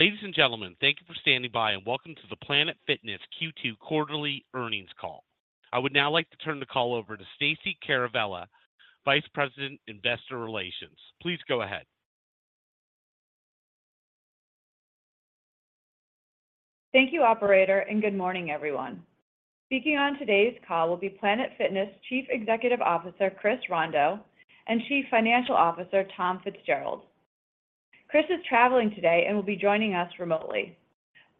Ladies and gentlemen, thank you for standing by, welcome to The Planet Fitness Q2 Quarterly Earnings Call. I would now like to turn the call over to Stacey Caravella, Vice President, Investor Relations. Please go ahead. Thank you, operator, and good morning, everyone. Speaking on today's call will be Planet Fitness Chief Executive Officer, Chris Rondeau, and Chief Financial Officer, Tom Fitzgerald. Chris is traveling today and will be joining us remotely.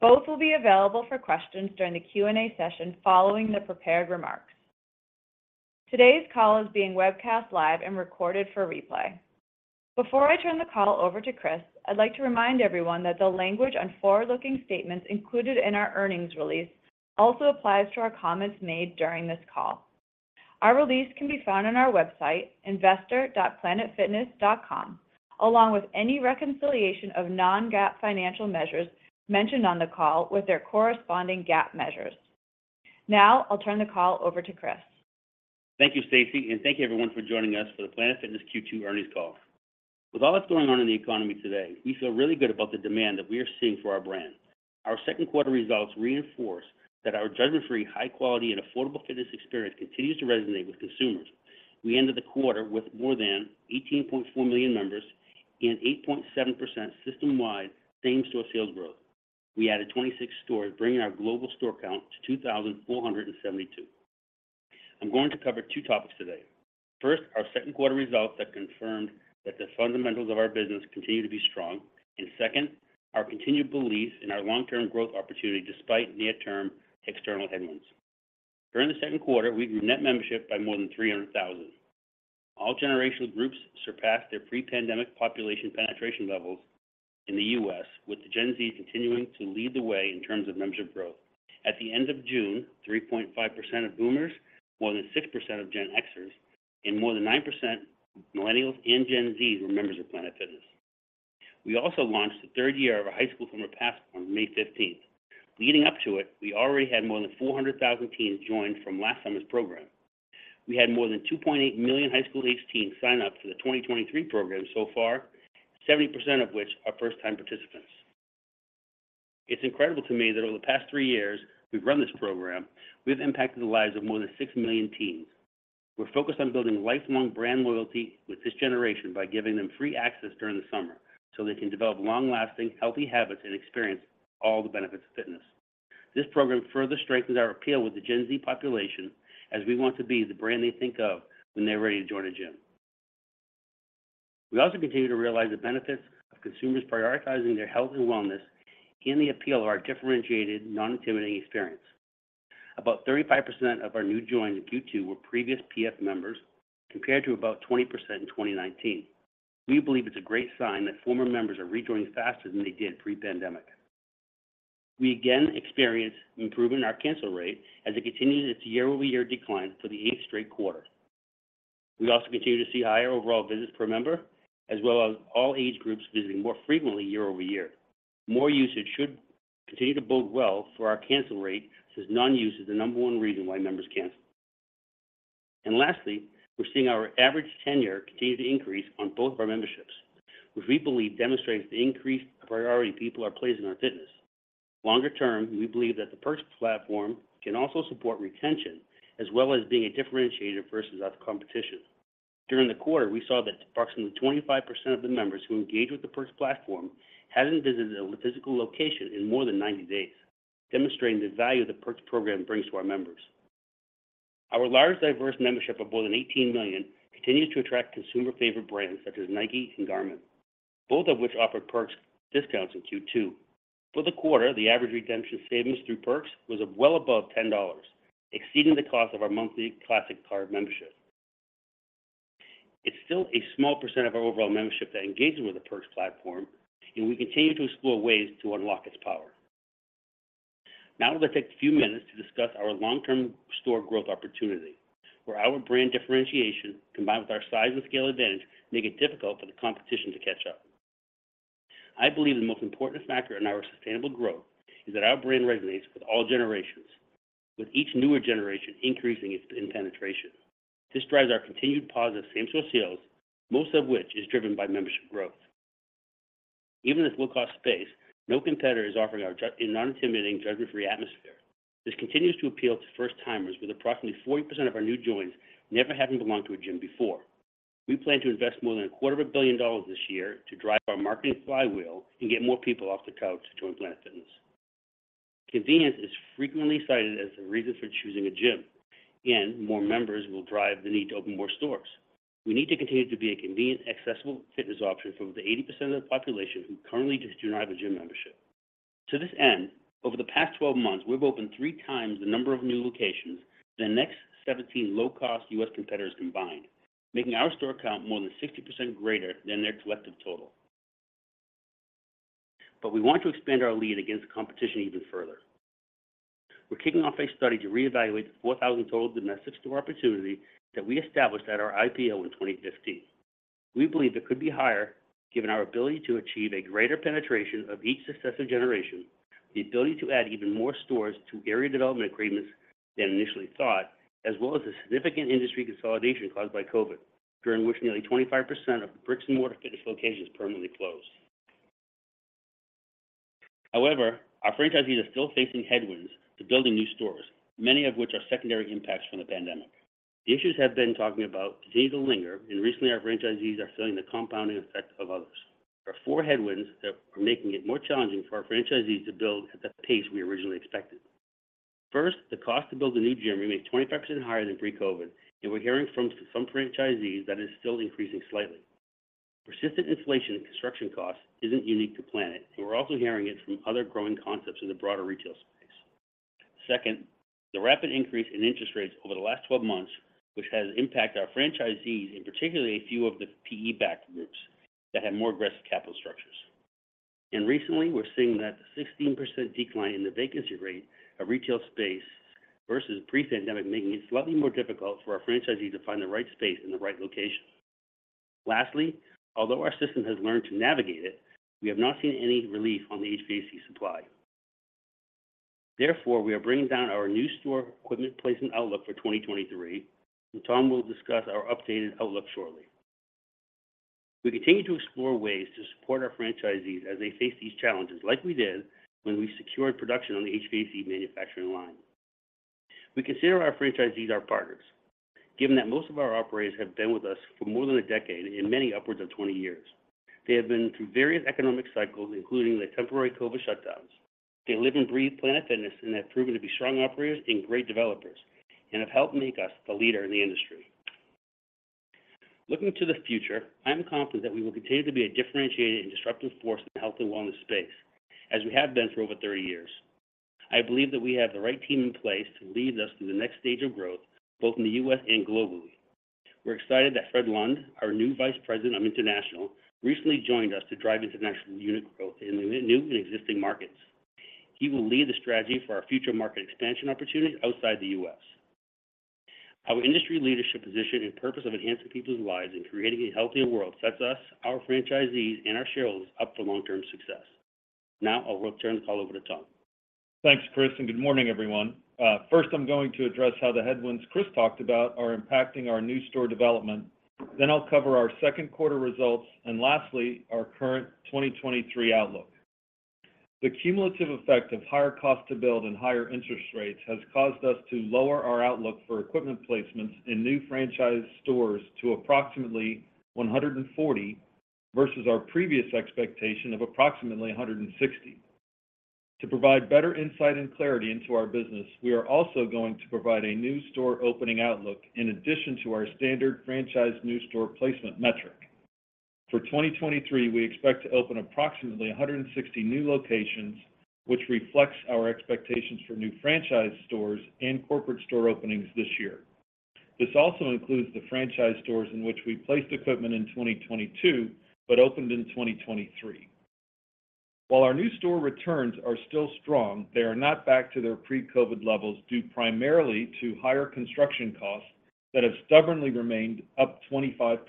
Both will be available for questions during the Q&A session following the prepared remarks. Today's call is being webcast live and recorded for replay. Before I turn the call over to Chris, I'd like to remind everyone that the language on forward-looking statements included in our earnings release also applies to our comments made during this call. Our release can be found on our website, investor.planetfitness.com, along with any reconciliation of non-GAAP financial measures mentioned on the call with their corresponding GAAP measures. Now, I'll turn the call over to Chris. Thank you, Stacey, and thank you, everyone, for joining us for the Planet Fitness Q2 earnings call. With all that's going on in the economy today, we feel really good about the demand that we are seeing for our brand. Our second quarter results reinforce that our judgment-free, high-quality, and affordable fitness experience continues to resonate with consumers. We ended the quarter with more than 18.4 million members and 8.7% systemwide same-store sales growth. We added 26 stores, bringing our global store count to 2,472. I'm going to cover two topics today. First, our second quarter results that confirmed that the fundamentals of our business continue to be strong, and second, our continued belief in our long-term growth opportunity despite near-term external headwinds. During the second quarter, we grew net membership by more than 300,000. All generational groups surpassed their pre-pandemic population penetration levels in the U.S., with the Gen Z continuing to lead the way in terms of membership growth. At the end of June, 3.5% of Boomers, more than 6% of Gen Xers, and more than 9% Millennials and Gen Z were members of Planet Fitness. We also launched the third year of our High School Summer Pass on May 15th. Leading up to it, we already had more than 400,000 teens join from last summer's program. We had more than 2.8 million high school-aged teens sign up for the 2023 program so far, 70% of which are first-time participants. It's incredible to me that over the past three years we've run this program, we have impacted the lives of more than six million teens. We're focused on building lifelong brand loyalty with this generation by giving them free access during the summer, so they can develop long-lasting healthy habits and experience all the benefits of fitness. This program further strengthens our appeal with the Gen Z population, as we want to be the brand they think of when they're ready to join a gym. We also continue to realize the benefits of consumers prioritizing their health and wellness and the appeal of our differentiated, non-intimidating experience. About 35% of our new joins in Q2 were previous PF members, compared to about 20% in 2019. We believe it's a great sign that former members are rejoining faster than they did pre-pandemic. We again experienced an improvement in our cancel rate as it continues its year-over-year decline for the eighth straight quarter. We also continue to see higher overall visits per member, as well as all age groups visiting more frequently year-over-year. More usage should continue to bode well for our cancel rate, since non-use is the number one reason why members cancel. Lastly, we're seeing our average tenure continue to increase on both of our memberships, which we believe demonstrates the increased priority people are placing on fitness. Longer term, we believe that the Perks platform can also support retention, as well as being a differentiator versus our competition. During the quarter, we saw that approximately 25% of the members who engaged with the Perks platform hadn't visited a physical location in more than 90 days, demonstrating the value the Perks program brings to our members. Our large, diverse membership of more than 18 million continues to attract consumer-favorite brands, such as Nike and Garmin, both of which offered Perks discounts in Q2. For the quarter, the average redemption savings through Perks was well above $10, exceeding the cost of our monthly Classic Card Membership. It's still a small percent of our overall membership that engages with the Perks platform, and we continue to explore ways to unlock its power. Now I'm going to take a few minutes to discuss our long-term store growth opportunity, where our brand differentiation, combined with our size and scale advantage, make it difficult for the competition to catch up. I believe the most important factor in our sustainable growth is that our brand resonates with all generations, with each newer generation increasing its in-penetration. This drives our continued positive same-store sales, most of which is driven by membership growth. Even with low-cost space, no competitor is offering a non-intimidating, judgment-free atmosphere. This continues to appeal to first-timers, with approximately 40% of our new joins never having belonged to a gym before. We plan to invest more than $250 million this year to drive our marketing flywheel and get more people off the couch to join Planet Fitness. Convenience is frequently cited as the reason for choosing a gym. More members will drive the need to open more stores. We need to continue to be a convenient, accessible fitness option for over the 80% of the population who currently just do not have a gym membership. To this end, over the past 12 months, we've opened three times the number of new locations than the next 17 low-cost U.S. competitors combined, making our store count more than 60% greater than their collective total. We want to expand our lead against the competition even further. We're kicking off a study to reevaluate the 4,000 total domestic store opportunity that we established at our IPO in 2015. We believe it could be higher, given our ability to achieve a greater penetration of each successive generation. The ability to add even more stores to area development agreements than initially thought, as well as the significant industry consolidation caused by COVID, during which nearly 25% of bricks-and-mortar fitness locations permanently closed. Our franchisees are still facing headwinds to building new stores, many of which are secondary impacts from the pandemic. The issues we have been talking about continue to linger, and recently, our franchisees are feeling the compounding effect of others. There are four headwinds that are making it more challenging for our franchisees to build at the pace we originally expected. First, the cost to build a new gym remained 25% higher than pre-COVID, and we're hearing from some franchisees that it is still increasing slightly. Persistent inflation in construction costs isn't unique to Planet, and we're also hearing it from other growing concepts in the broader retail space. Second, the rapid increase in interest rates over the last 12 months, which has impacted our franchisees, and particularly a few of the PE-backed groups that have more aggressive capital structures. Recently, we're seeing that a 16% decline in the vacancy rate of retail space versus pre-pandemic, making it slightly more difficult for our franchisees to find the right space in the right location. Lastly, although our system has learned to navigate it, we have not seen any relief on the HVAC supply. Therefore, we are bringing down our new store equipment placement outlook for 2023, and Tom will discuss our updated outlook shortly. We continue to explore ways to support our franchisees as they face these challenges, like we did when we secured production on the HVAC manufacturing line. We consider our franchisees our partners, given that most of our operators have been with us for more than a decade, and many upwards of 20 years. They have been through various economic cycles, including the temporary COVID shutdowns. They live and breathe Planet Fitness and have proven to be strong operators and great developers, and have helped make us the leader in the industry. Looking to the future, I am confident that we will continue to be a differentiated and disruptive force in the health and wellness space, as we have been for over 30 years. I believe that we have the right team in place to lead us through the next stage of growth, both in the U.S. and globally. We're excited that Fred Lund, our new Vice President of International, recently joined us to drive international unit growth in new and existing markets. He will lead the strategy for our future market expansion opportunities outside the U.S. Our industry leadership position and purpose of enhancing people's lives and creating a healthier world sets us, our franchisees, and our shareholders up for long-term success. Now, I will turn the call over to Tom. Thanks, Chris, and good morning, everyone. First, I'm going to address how the headwinds Chris talked about are impacting our new store development. Then I'll cover our second quarter results, and lastly, our current 2023 outlook. The cumulative effect of higher cost to build and higher interest rates has caused us to lower our outlook for equipment placements in new franchise stores to approximately 140, versus our previous expectation of approximately 160. To provide better insight and clarity into our business, we are also going to provide a new store opening outlook in addition to our standard franchise new store placement metric. For 2023, we expect to open approximately 160 new locations, which reflects our expectations for new franchise stores and corporate store openings this year. This also includes the franchise stores in which we placed equipment in 2022, but opened in 2023. While our new store returns are still strong, they are not back to their pre-COVID levels, due primarily to higher construction costs that have stubbornly remained up 25%.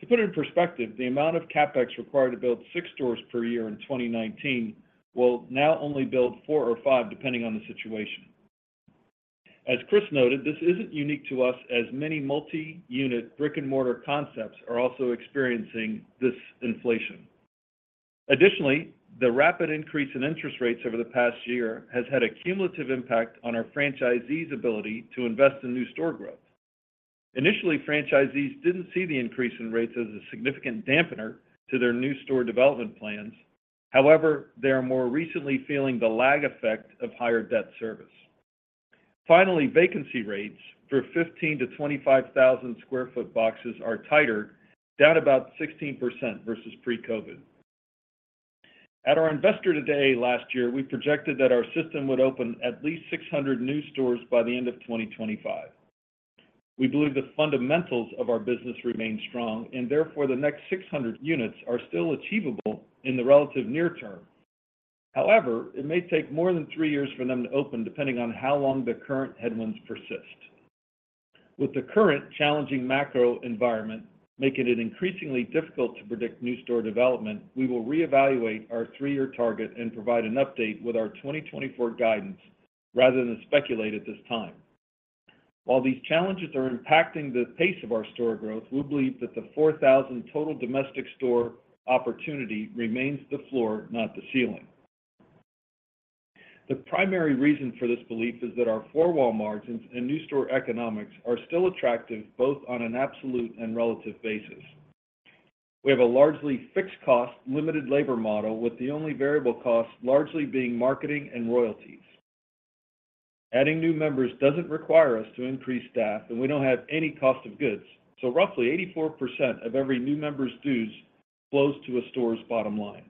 To put it in perspective, the amount of CapEx required to build six stores per year in 2019 will now only build four or five, depending on the situation. As Chris noted, this isn't unique to us, as many multi-unit, brick-and-mortar concepts are also experiencing this inflation. Additionally, the rapid increase in interest rates over the past year has had a cumulative impact on our franchisees' ability to invest in new store growth. Initially, franchisees didn't see the increase in rates as a significant dampener to their new store development plans. However, they are more recently feeling the lag effect of higher debt service. Finally, vacancy rates for 15,000-25,000 square foot boxes are tighter, down about 16% versus pre-COVID. At our Investor Day last year, we projected that our system would open at least 600 new stores by the end of 2025. We believe the fundamentals of our business remain strong, and therefore, the next 600 units are still achievable in the relative near term. However, it may take more than three years for them to open, depending on how long the current headwinds persist. With the current challenging macro environment making it increasingly difficult to predict new store development, we will reevaluate our three-year target and provide an update with our 2024 guidance rather than speculate at this time. While these challenges are impacting the pace of our store growth, we believe that the 4,000 total domestic store opportunity remains the floor, not the ceiling. The primary reason for this belief is that our four wall margins and new store economics are still attractive, both on an absolute and relative basis. We have a largely fixed cost, limited labor model, with the only variable cost largely being marketing and royalties. Adding new members doesn't require us to increase staff, and we don't have any cost of goods, roughly 84% of every new member's dues flows to a store's bottom line.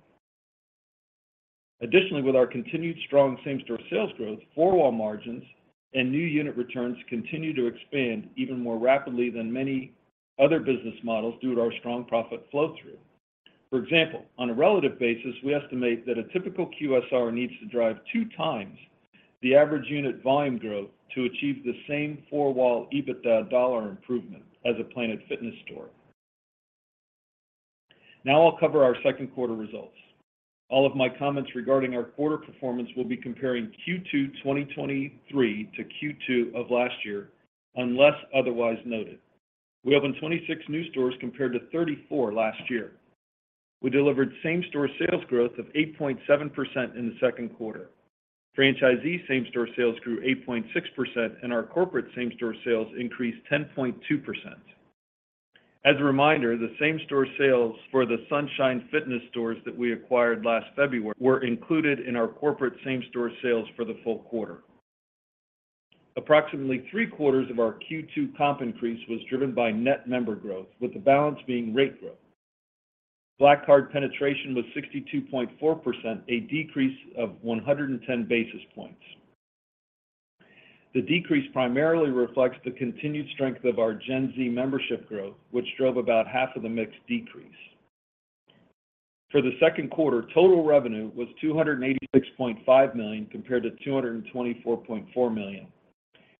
Additionally, with our continued strong same-store sales growth, four wall margins and new unit returns continue to expand even more rapidly than many other business models due to our strong profit flow-through. For example, on a relative basis, we estimate that a typical QSR needs to drive two times the average unit volume growth to achieve the same four-wall EBITDA dollar improvement as a Planet Fitness store. I'll cover our second quarter results. All of my comments regarding our quarter performance will be comparing Q2 2023 to Q2 of last year, unless otherwise noted. We opened 26 new stores compared to 34 last year. We delivered same-store sales growth of 8.7% in the second quarter. Franchisee same-store sales grew 8.6%, and our corporate same-store sales increased 10.2%. As a reminder, the same-store sales for the Sunshine Fitness stores that we acquired last February were included in our corporate same-store sales for the full quarter. Approximately three-quarters of our Q2 comp increase was driven by net member growth, with the balance being rate growth. Black Card penetration was 62.4%, a decrease of 110 basis points. The decrease primarily reflects the continued strength of our Gen Z membership growth, which drove about half of the mix decrease. For the second quarter, total revenue was $286.5 million, compared to $224.4 million.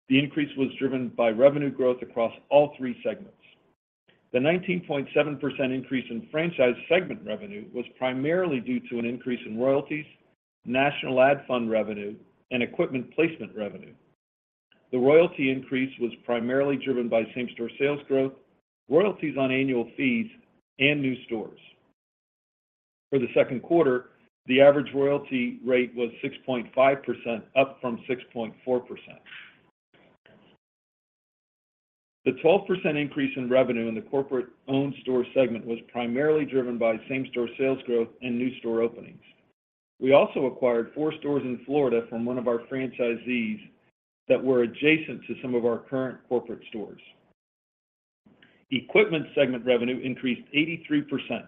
The increase was driven by revenue growth across all three segments. The 19.7% increase in franchise segment revenue was primarily due to an increase in royalties, national ad fund revenue, and equipment placement revenue. The royalty increase was primarily driven by same-store sales growth, royalties on annual fees, and new stores. For the second quarter, the average royalty rate was 6.5%, up from 6.4%. The 12% increase in revenue in the corporate-owned store segment was primarily driven by same-store sales growth and new store openings. We also acquired four stores in Florida from one of our franchisees that were adjacent to some of our current corporate stores. Equipment segment revenue increased 83%.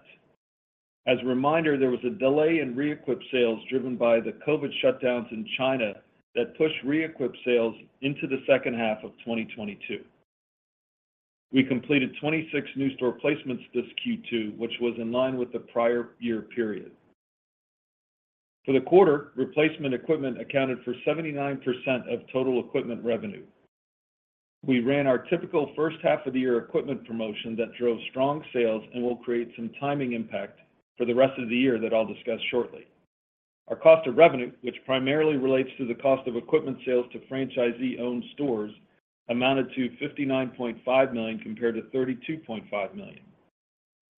As a reminder, there was a delay in re-equip sales, driven by the COVID shutdowns in China that pushed re-equip sales into the second half of 2022. We completed 26 new store placements this Q2, which was in line with the prior year period. For the quarter, replacement equipment accounted for 79% of total equipment revenue. We ran our typical first half of the year equipment promotion that drove strong sales and will create some timing impact for the rest of the year that I'll discuss shortly. Our cost of revenue, which primarily relates to the cost of equipment sales to franchisee-owned stores, amounted to $59.5 million, compared to $32.5 million.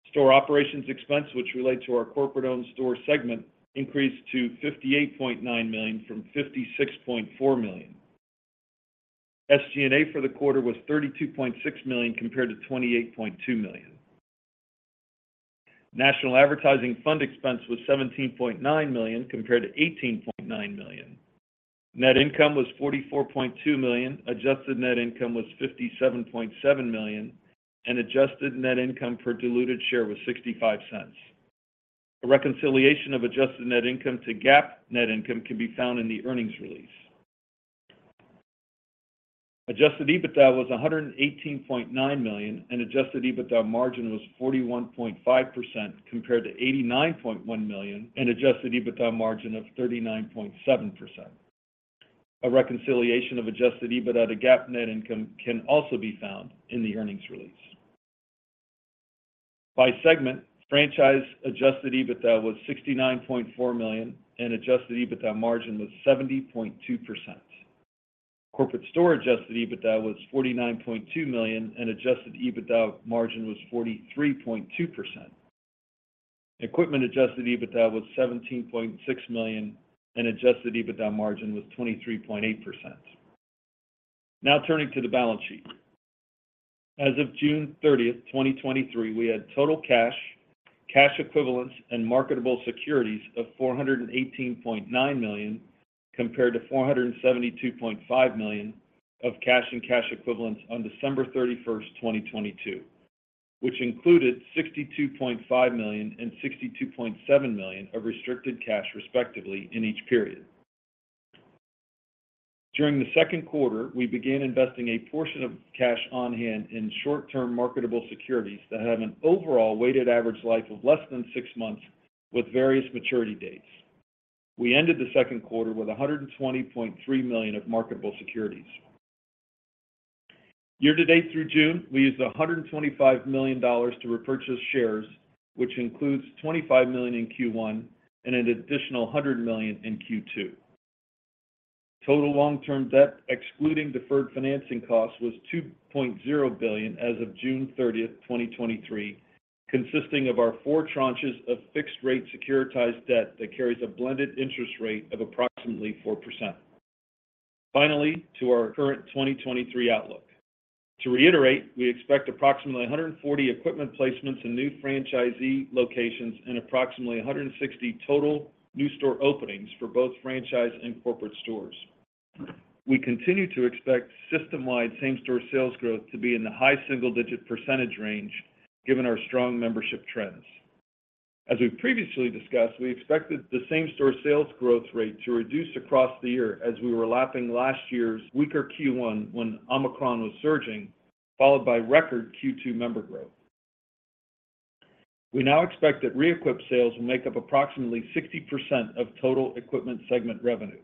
Store operations expense, which relate to our corporate-owned store segment, increased to $58.9 million from $56.4 million. SG&A for the quarter was $32.6 million, compared to $28.2 million. National advertising fund expense was $17.9 million, compared to $18.9 million. Net income was $44.2 million, adjusted net income was $57.7 million, and adjusted net income per diluted share was $0.65. A reconciliation of adjusted net income to GAAP net income can be found in the earnings release. Adjusted EBITDA was $118.9 million, and Adjusted EBITDA margin was 41.5%, compared to $89.1 million, and Adjusted EBITDA margin of 39.7%. A reconciliation of Adjusted EBITDA to GAAP net income can also be found in the earnings release. By segment, Franchise Adjusted EBITDA was $69.4 million, and Adjusted EBITDA margin was 70.2%. Corporate store Adjusted EBITDA was $49.2 million, and Adjusted EBITDA margin was 43.2%. Equipment Adjusted EBITDA was $17.6 million, and Adjusted EBITDA margin was 23.8%. Turning to the balance sheet. As of June 30th, 2023, we had total cash, cash equivalents, and marketable securities of $418.9 million, compared to $472.5 million of cash and cash equivalents on December 31st, 2022, which included $62.5 million and $62.7 million of restricted cash, respectively, in each period. During the second quarter, we began investing a portion of cash on hand in short-term marketable securities that have an overall weighted average life of less than six months, with various maturity dates. We ended the second quarter with $120.3 million of marketable securities. Year-to-date through June, we used $125 million to repurchase shares, which includes $25 million in Q1 and an additional $100 million in Q2. Total long-term debt, excluding deferred financing costs, was $2.0 billion as of June 30, 2023, consisting of our four tranches of fixed-rate securitized debt that carries a blended interest rate of approximately 4%. To our current 2023 outlook. To reiterate, we expect approximately 140 equipment placements in new franchisee locations and approximately 160 total new store openings for both franchise and corporate stores. We continue to expect system-wide same-store sales growth to be in the high single-digit percentage range, given our strong membership trends. As we've previously discussed, we expected the same-store sales growth rate to reduce across the year as we were lapping last year's weaker Q1 when Omicron was surging, followed by record Q2 member growth. We now expect that re-equip sales will make up approximately 60% of total equipment segment revenue.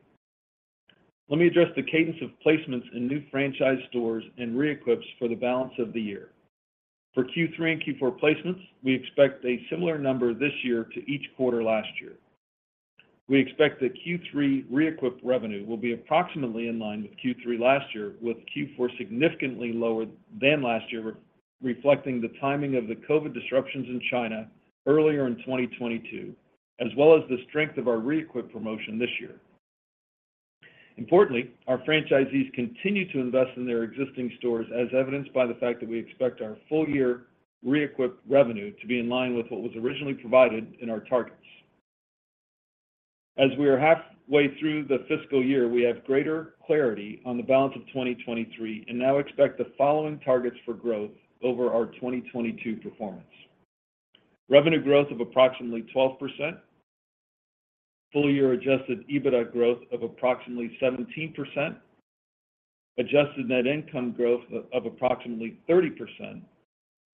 Let me address the cadence of placements in new franchise stores and reequips for the balance of the year. For Q3 and Q4 placements, we expect a similar number this year to each quarter last year. We expect that Q3 reequip revenue will be approximately in line with Q3 last year, with Q4 significantly lower than last year, reflecting the timing of the COVID disruptions in China earlier in 2022, as well as the strength of our Re-equip promotion this year. Importantly, our franchisees continue to invest in their existing stores, as evidenced by the fact that we expect our full-year reequip revenue to be in line with what was originally provided in our targets. As we are halfway through the fiscal year, we have greater clarity on the balance of 2023 and now expect the following targets for growth over our 2022 performance: revenue growth of approximately 12%, full-year Adjusted EBITDA growth of approximately 17%, adjusted net income growth of approximately 30%,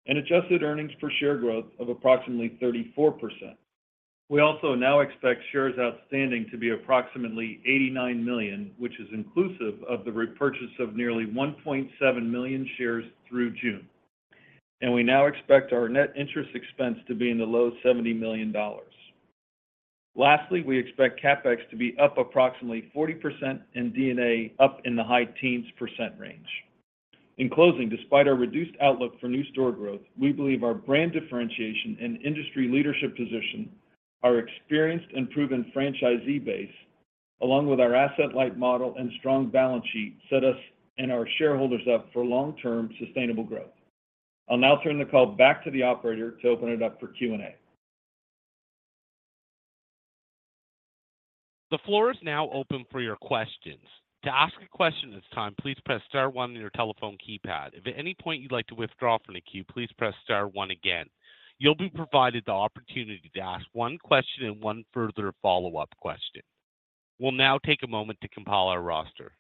and adjusted earnings per share growth of approximately 34%. We also now expect shares outstanding to be approximately $89 million, which is inclusive of the repurchase of nearly 1.7 million shares through June. We now expect our net interest expense to be in the low $70 million. Lastly, we expect CapEx to be up approximately 40% and D&A up in the high teens percent range. In closing, despite our reduced outlook for new store growth, we believe our brand differentiation and industry leadership position, our experienced and proven franchisee base, along with our asset-light model and strong balance sheet, set us and our shareholders up for long-term sustainable growth. I'll now turn the call back to the operator to open it up for Q&A. The floor is now open for your questions. To ask a question at this time, please press star one on your telephone keypad. If at any point you'd like to withdraw from the queue, please press star one again. You'll be provided the opportunity to ask one question and one further follow-up question. We'll now take a moment to compile our roster.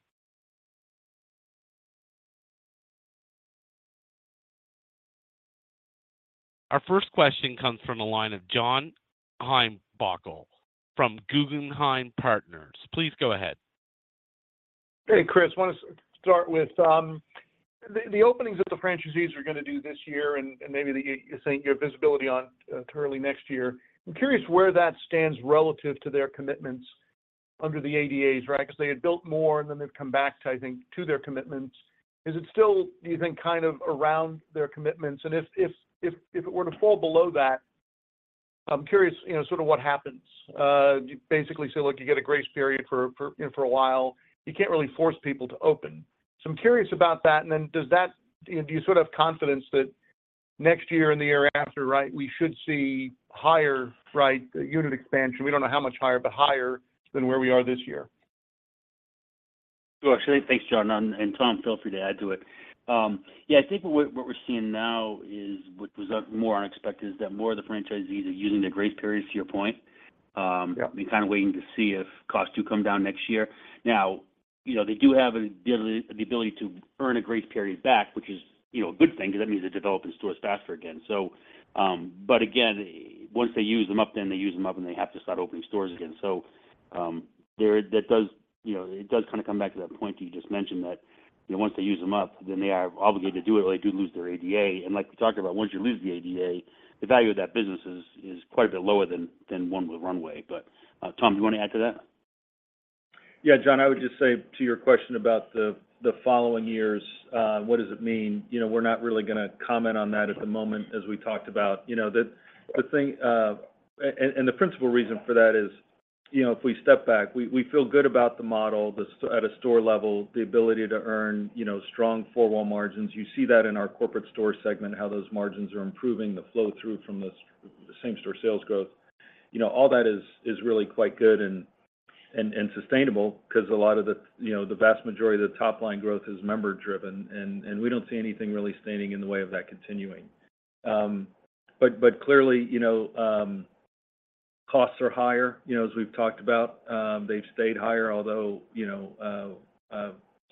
Our first question comes from the line of John Heinbockel from Guggenheim Partners. Please go ahead. Hey, Chris, want to start with the, the openings that the franchisees are going to do this year and, and maybe the, you saying your visibility on to early next year. I'm curious where that stands relative to their commitments under the ADAs, right? They had built more, and then they've come back to, I think, to their commitments. Is it still, do you think, kind of around their commitments? If, if, if, if it were to fall below that, I'm curious, you know, sort of what happens. Do you basically say, "Look, you get a grace period for, for, you know, for a while." You can't really force people to open. I'm curious about that, and then do you sort of have confidence that next year and the year after, right, we should see higher, right, unit expansion? We don't know how much higher, but higher than where we are this year. Sure. Thanks, John, and Tom, feel free to add to it. Yeah, I think what we're seeing now is, what was more unexpected, is that more of the franchisees are using the grace periods, to your point- and kind of waiting to see if costs do come down next year. You know, they do have the, the ability to earn a grace period back, which is, you know, a good thing because that means they're developing stores faster again. Again, once they use them up, then they use them up, and they have to start opening stores again. There, you know, it does kind of come back to that point that you just mentioned that, you know, once they use them up, then they are obligated to do it, or they do lose their ADA. Like we talked about, once you lose the ADA, the value of that business is, is quite a bit lower than, than one with runway. Tom, you want to add to that? Yeah, John, I would just say to your question about the, the following years, what does it mean? You know, we're not really going to comment on that at the moment. As we talked about, you know, the, the thing, and, and, and the principal reason for that is, you know, if we step back, we, we feel good about the model, at a store level, the ability to earn, you know, strong four-wall margins. You see that in our corporate store segment, how those margins are improving, the flow-through from the same-store sales growth. You know, all that is, is really quite good and, and, and sustainable because a lot of the, you know, the vast majority of the top-line growth is member-driven, and, and we don't see anything really standing in the way of that continuing. Clearly, you know, costs are higher. You know, as we've talked about, they've stayed higher, although, you know,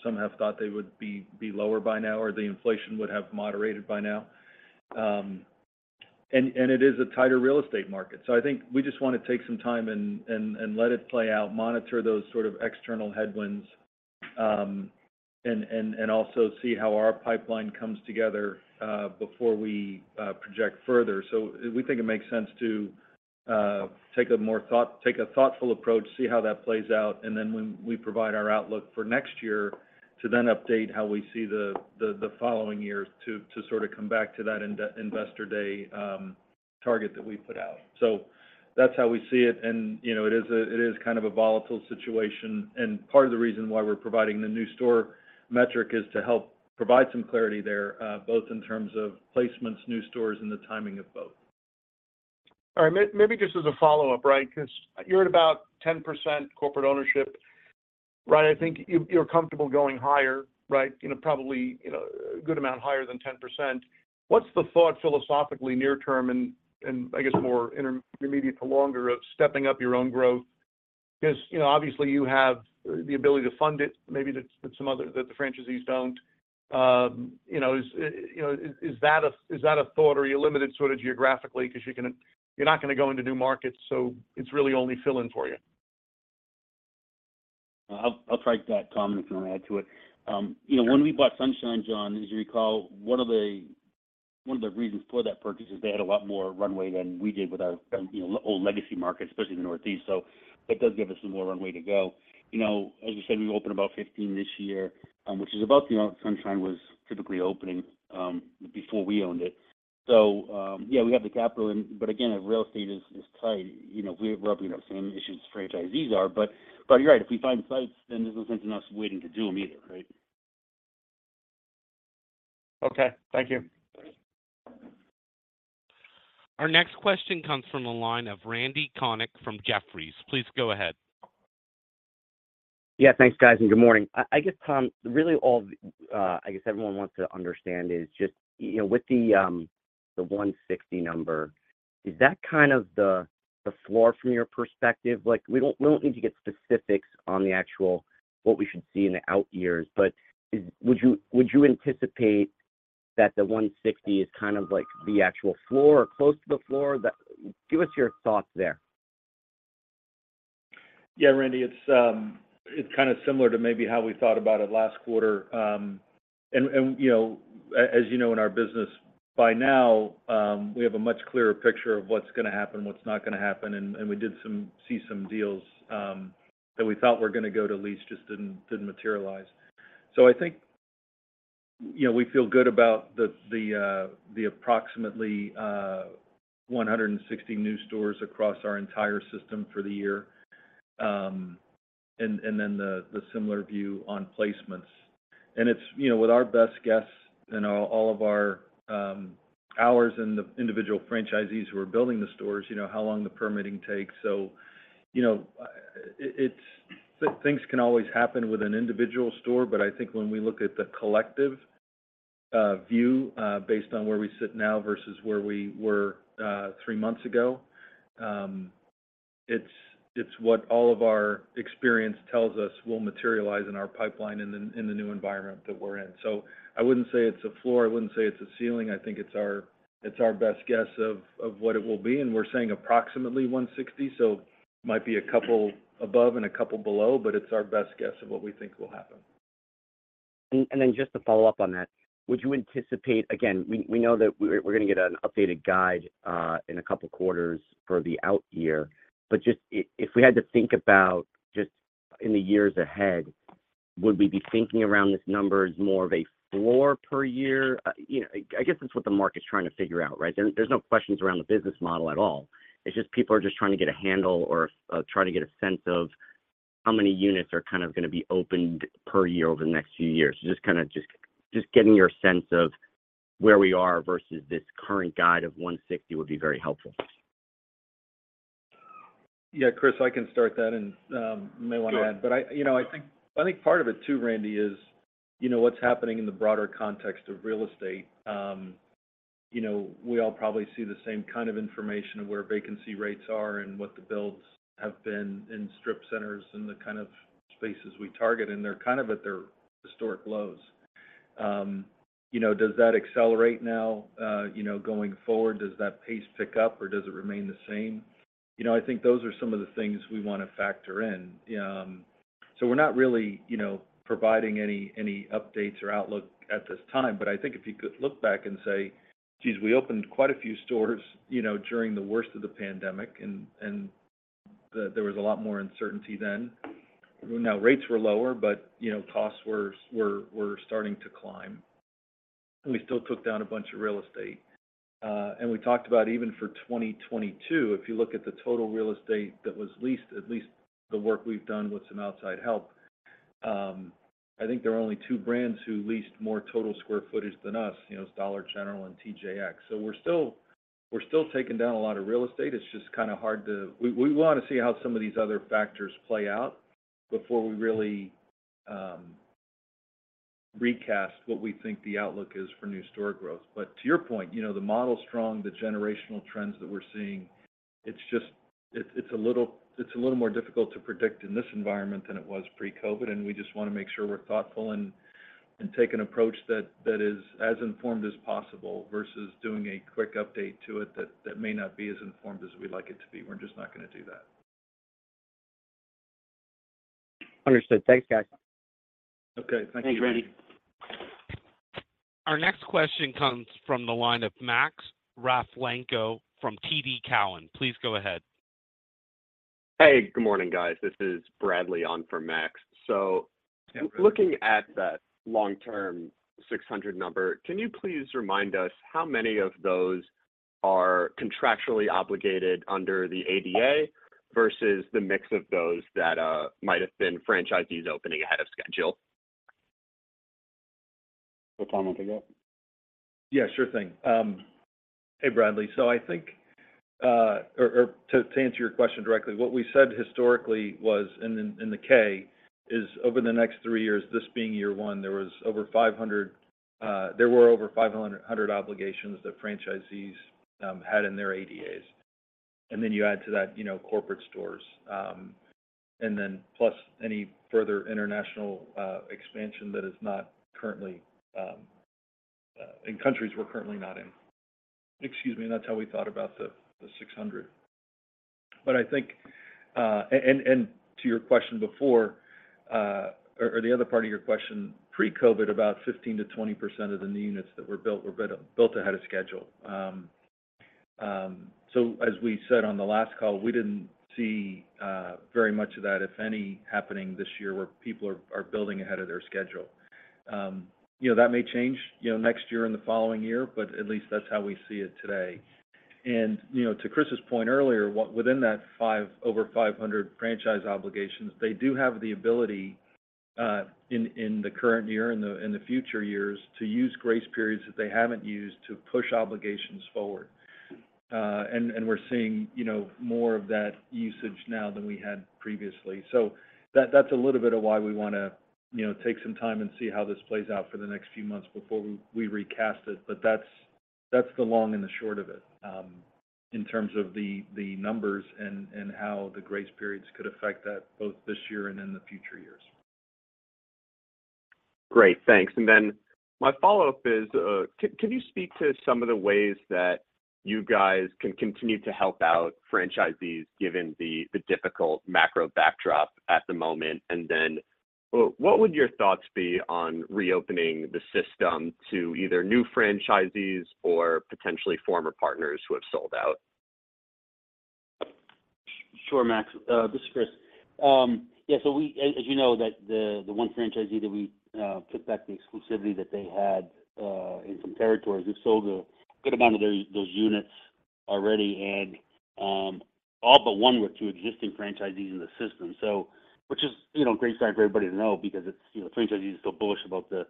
some have thought they would be, be lower by now or the inflation would have moderated by now. It is a tighter real estate market. I think we just want to take some time and, and, and let it play out, monitor those sort of external headwinds, and, and, and also see how our pipeline comes together before we project further. We think it makes sense to take a thoughtful approach, see how that plays out, and then when we provide our outlook for next year, to then update how we see the following years to sort of come back to that Investor Day target that we put out. That's how we see it, and, you know, it is a kind of a volatile situation, and part of the reason why we're providing the new store metric is to help provide some clarity there, both in terms of placements, new stores, and the timing of both. All right. Maybe just as a follow-up, right? Because you're at about 10% corporate ownership, right? I think you, you're comfortable going higher, right? You know, probably, you know, a good amount higher than 10%. What's the thought philosophically near term and, and I guess more intermediate to longer of stepping up your own growth? Because, you know, obviously you have the ability to fund it, maybe that some other, that the franchisees don't. You know, is, you know, is, is that a, is that a thought or are you limited sort of geographically? Because you're not gonna go into new markets, so it's really only fill in for you. I'll, I'll take that, Tom, and then add to it. You know, when we bought Sunshine, John, as you recall, one of the, one of the reasons for that purchase is they had a lot more runway than we did with our, you know, old legacy market, especially the Northeast. That does give us some more runway to go. You know, as you said, we opened about 15 this year, which is about, you know, Sunshine was typically opening before we owned it. Yeah, we have the capital and but again, if real estate is, is tight, you know, we're rubbing up same issues franchisees are. But you're right. If we find sites, there's no sense in us waiting to do them either, right? Okay. Thank you. Our next question comes from the line of Randal Konik from Jefferies. Please go ahead. Yeah, thanks, guys, and good morning. I, I guess, Tom, really all, I guess everyone wants to understand is just, you know, with the 160 number, is that kind of the floor from your perspective? Like, we don't, we don't need to get specifics on the actual, what we should see in the out years, but is, would you, would you anticipate that the 160 is kind of like the actual floor or close to the floor? Give us your thoughts there. Yeah, Randal, it's kind of similar to maybe how we thought about it last quarter. You know, as you know, in our business, by now, we have a much clearer picture of what's gonna happen, what's not gonna happen. We did see some deals that we thought were gonna go to lease, just didn't materialize. I think, you know, we feel good about the approximately 160 new stores across our entire system for the year. Then the similar view on placements. It's, you know, with our best guess and all, all of our hours and the individual franchisees who are building the stores, you know how long the permitting takes. You know, it's things can always happen with an individual store, but I think when we look at the collective view, based on where we sit now versus where we were three months ago, it's what all of our experience tells us will materialize in our pipeline in the new environment that we're in. I wouldn't say it's a floor, I wouldn't say it's a ceiling. I think it's our, it's our best guess of what it will be, and we're saying approximately 160, so might be a couple above and a couple below, but it's our best guess of what we think will happen. Then just to follow up on that, would you anticipate? Again, we know that we're gonna get an updated guide in a couple of quarters for the out year, but if we had to think about just in the years ahead, would we be thinking around this number as more of a floor per year? You know, I guess that's what the market's trying to figure out, right? There's no questions around the business model at all. It's just people are just trying to get a handle or trying to get a sense of how many units are kind of gonna be opened per year over the next few years. Just kind of just getting your sense of where we are versus this current guide of 160 would be very helpful. Yeah, Chris, I can start that and, you may want to add. Sure. I, you know, I think, I think part of it too, Randal, is, you know, what's happening in the broader context of real estate. You know, we all probably see the same kind of information of where vacancy rates are and what the builds have been in strip centers and the kind of spaces we target, and they're kind of at their historic lows. You know, does that accelerate now? You know, going forward, does that pace pick up or does it remain the same? You know, I think those are some of the things we want to factor in. We're not really, you know, providing any, any updates or outlook at this time. I think if you could look back and say, "Geez, we opened quite a few stores, you know, during the worst of the pandemic, and there was a lot more uncertainty then." Now, rates were lower, but, you know, costs were starting to climb. We still took down a bunch of real estate, and we talked about even for 2022, if you look at the total real estate that was leased, at least the work we've done with some outside help, I think there are only 2 brands who leased more total square footage than us, you know, Dollar General and TJX. We're still, we're still taking down a lot of real estate. It's just kind of hard to... We want to see how some of these other factors play out before we really recast what we think the outlook is for new store growth. To your point, you know, the model's strong, the generational trends that we're seeing, it's a little more difficult to predict in this environment than it was pre-COVID. We just want to make sure we're thoughtful and take an approach that is as informed as possible versus doing a quick update to it that may not be as informed as we'd like it to be. We're just not gonna do that. Understood. Thanks, guys. Okay, thank you. Thanks, Randal. Our next question comes from the line of Max Rakhlenko from TD Cowen. Please go ahead. Hey, good morning, guys. This is Bradley on for Max. Hey, Bradley. looking at that long-term 600 number, can you please remind us how many of those are contractually obligated under the ADA versus the mix of those that might have been franchisees opening ahead of schedule? Well Tom take that. Yeah, sure thing. Hey, Bradley. I think, or to answer your question directly, what we said historically was in the K, is over the next three years, this being year one, there was over 500, there were over 500 obligations that franchisees had in their ADAs. Then you add to that, you know, corporate stores, plus any further international expansion that is not currently in countries we're currently not in. Excuse me, that's how we thought about the 600. I think to your question before, or the other part of your question, pre-COVID, about 15%-20% of the new units that were built were built, built ahead of schedule. As we said on the last call, we didn't see very much of that, if any, happening this year, where people are building ahead of their schedule. You know, that may change, you know, next year and the following year, but at least that's how we see it today. You know, to Chris's point earlier, within that over 500 franchise obligations, they do have the ability in the current year and the in the future years, to use grace periods that they haven't used to push obligations forward. And, and we're seeing, you know, more of that usage now than we had previously. That, that's a little bit of why we wanna, you know, take some time and see how this plays out for the next few months before we recast it. That's, that's the long and the short of it, in terms of the, the numbers and, and how the grace periods could affect that, both this year and in the future years. Great, thanks. Then my follow-up is, can you speak to some of the ways that you guys can continue to help out franchisees, given the difficult macro backdrop at the moment? Then, what would your thoughts be on reopening the system to either new franchisees or potentially former partners who have sold out? Sure, Bradley. This is Chris. Yeah, as you know, that the one franchisee that we took back the exclusivity that they had in some territories, we've sold a good amount of those, those units already, and all but one were two existing franchisees in the system. Which is, you know, a great sign for everybody to know because it's, you know, franchisees feel bullish about the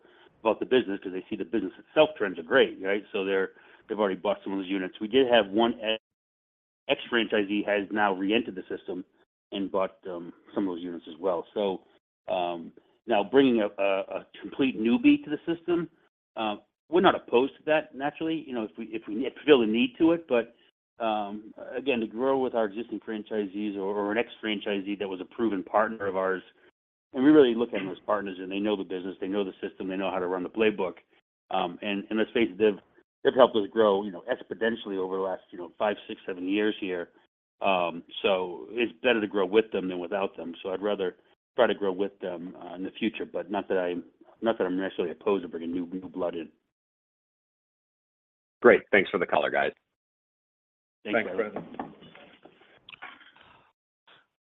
business because they see the business itself trends are great, right? They're- they've already bought some of those units. We did have one ex, ex-franchisee has now reentered the system and bought some of those units as well. Now bringing a, a, a complete newbie to the system, we're not opposed to that naturally, you know, if we, if we feel a need to it. Again, to grow with our existing franchisees or, or an ex-franchisee that was a proven partner of ours, and we really look at them as partners, and they know the business, they know the system, they know how to run the playbook. And let's face it, they've, they've helped us grow, you know, exponentially over the last, you know, five, six, seven years here. It's better to grow with them than without them. I'd rather try to grow with them in the future, but not that I'm, not that I'm necessarily opposed to bringing new, new blood in. Great. Thanks for the color, guys. Thanks. Thanks, Bradley.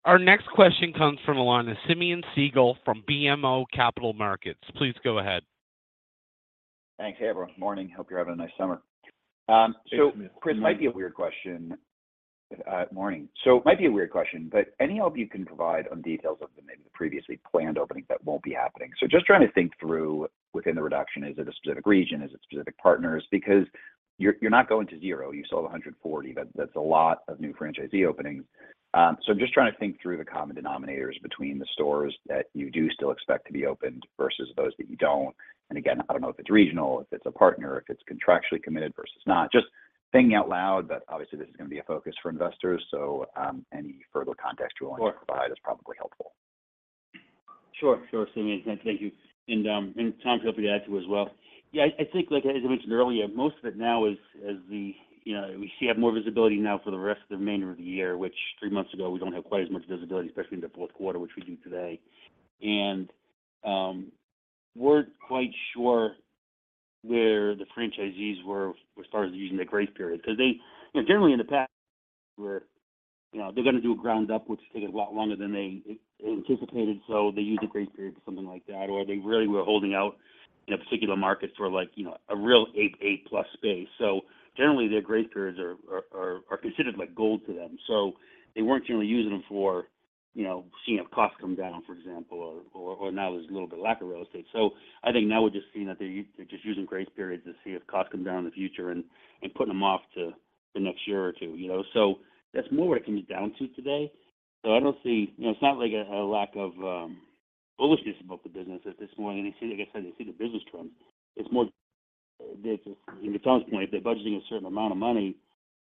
Our next question comes from the line of Simeon Siegel from BMO Capital Markets. Please go ahead. Thanks. Hey, everyone. Morning. Hope you're having a nice summer. Chris- Hey, Simeon.... This might be a weird question. Morning. It might be a weird question, but any help you can provide on details of the maybe the previously planned openings that won't be happening? Just trying to think through within the reduction, is it a specific region? Is it specific partners? Because you're, you're not going to zero. You sold 140. That- that's a lot of new franchisee openings. Just trying to think through the common denominators between the stores that you do still expect to be opened versus those that you don't. Again, I don't know if it's regional, if it's a partner, if it's contractually committed versus not. Just thinking out loud, obviously, this is going to be a focus for investors, so, any further context you're willing- Sure to provide is probably helpful. Sure. Sure, Simeon. Thank you. Tom, feel free to add to as well. Yeah, I, I think, like, as I mentioned earlier, most of it now is as the, you know, we see have more visibility now for the rest of the remainder of the year, which three months ago, we don't have quite as much visibility, especially in the fourth quarter, which we do today. We're quite sure where the franchisees were, were started using the grace period, because they, you know, generally in the past, where, you know, they're going to do a ground up, which takes a lot longer than they anticipated, so they use the grace period for something like that, or they really were holding out in a particular market for, like, you know, a real eight, eight-plus space. Generally, their grace periods are considered like gold to them. They weren't generally using them for, you know, seeing if costs come down, for example, or now there's a little bit of lack of real estate. I think now we're just seeing that they're just using grace periods to see if costs come down in the future and putting them off to the next one or two years, you know? That's more what it comes down to today. I don't see... You know, it's not like a lack of bullishness about the business at this point, and I see, like I said, you see the business trends. It's more that, in Tom's point, they're budgeting a certain amount of money,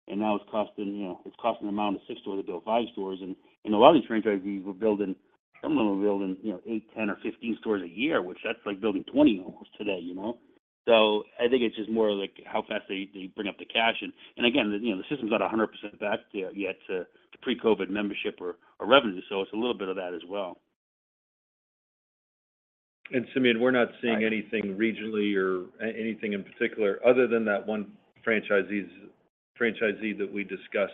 and now it's costing, you know, it's costing them around six stores to build five stores. In a lot of these franchisees, we're building, some of them are building, you know, eight, 10, or 15 stores a year, which that's like building 20 almost today, you know? I think it's just more like how fast they, they bring up the cash. Again, you know, the system's not a 100% back to yet to, to pre-COVID membership or, or revenue, so it's a little bit of that as well. Simeon, we're not seeing anything regionally or anything in particular, other than that one franchisee's, franchisee that we discussed,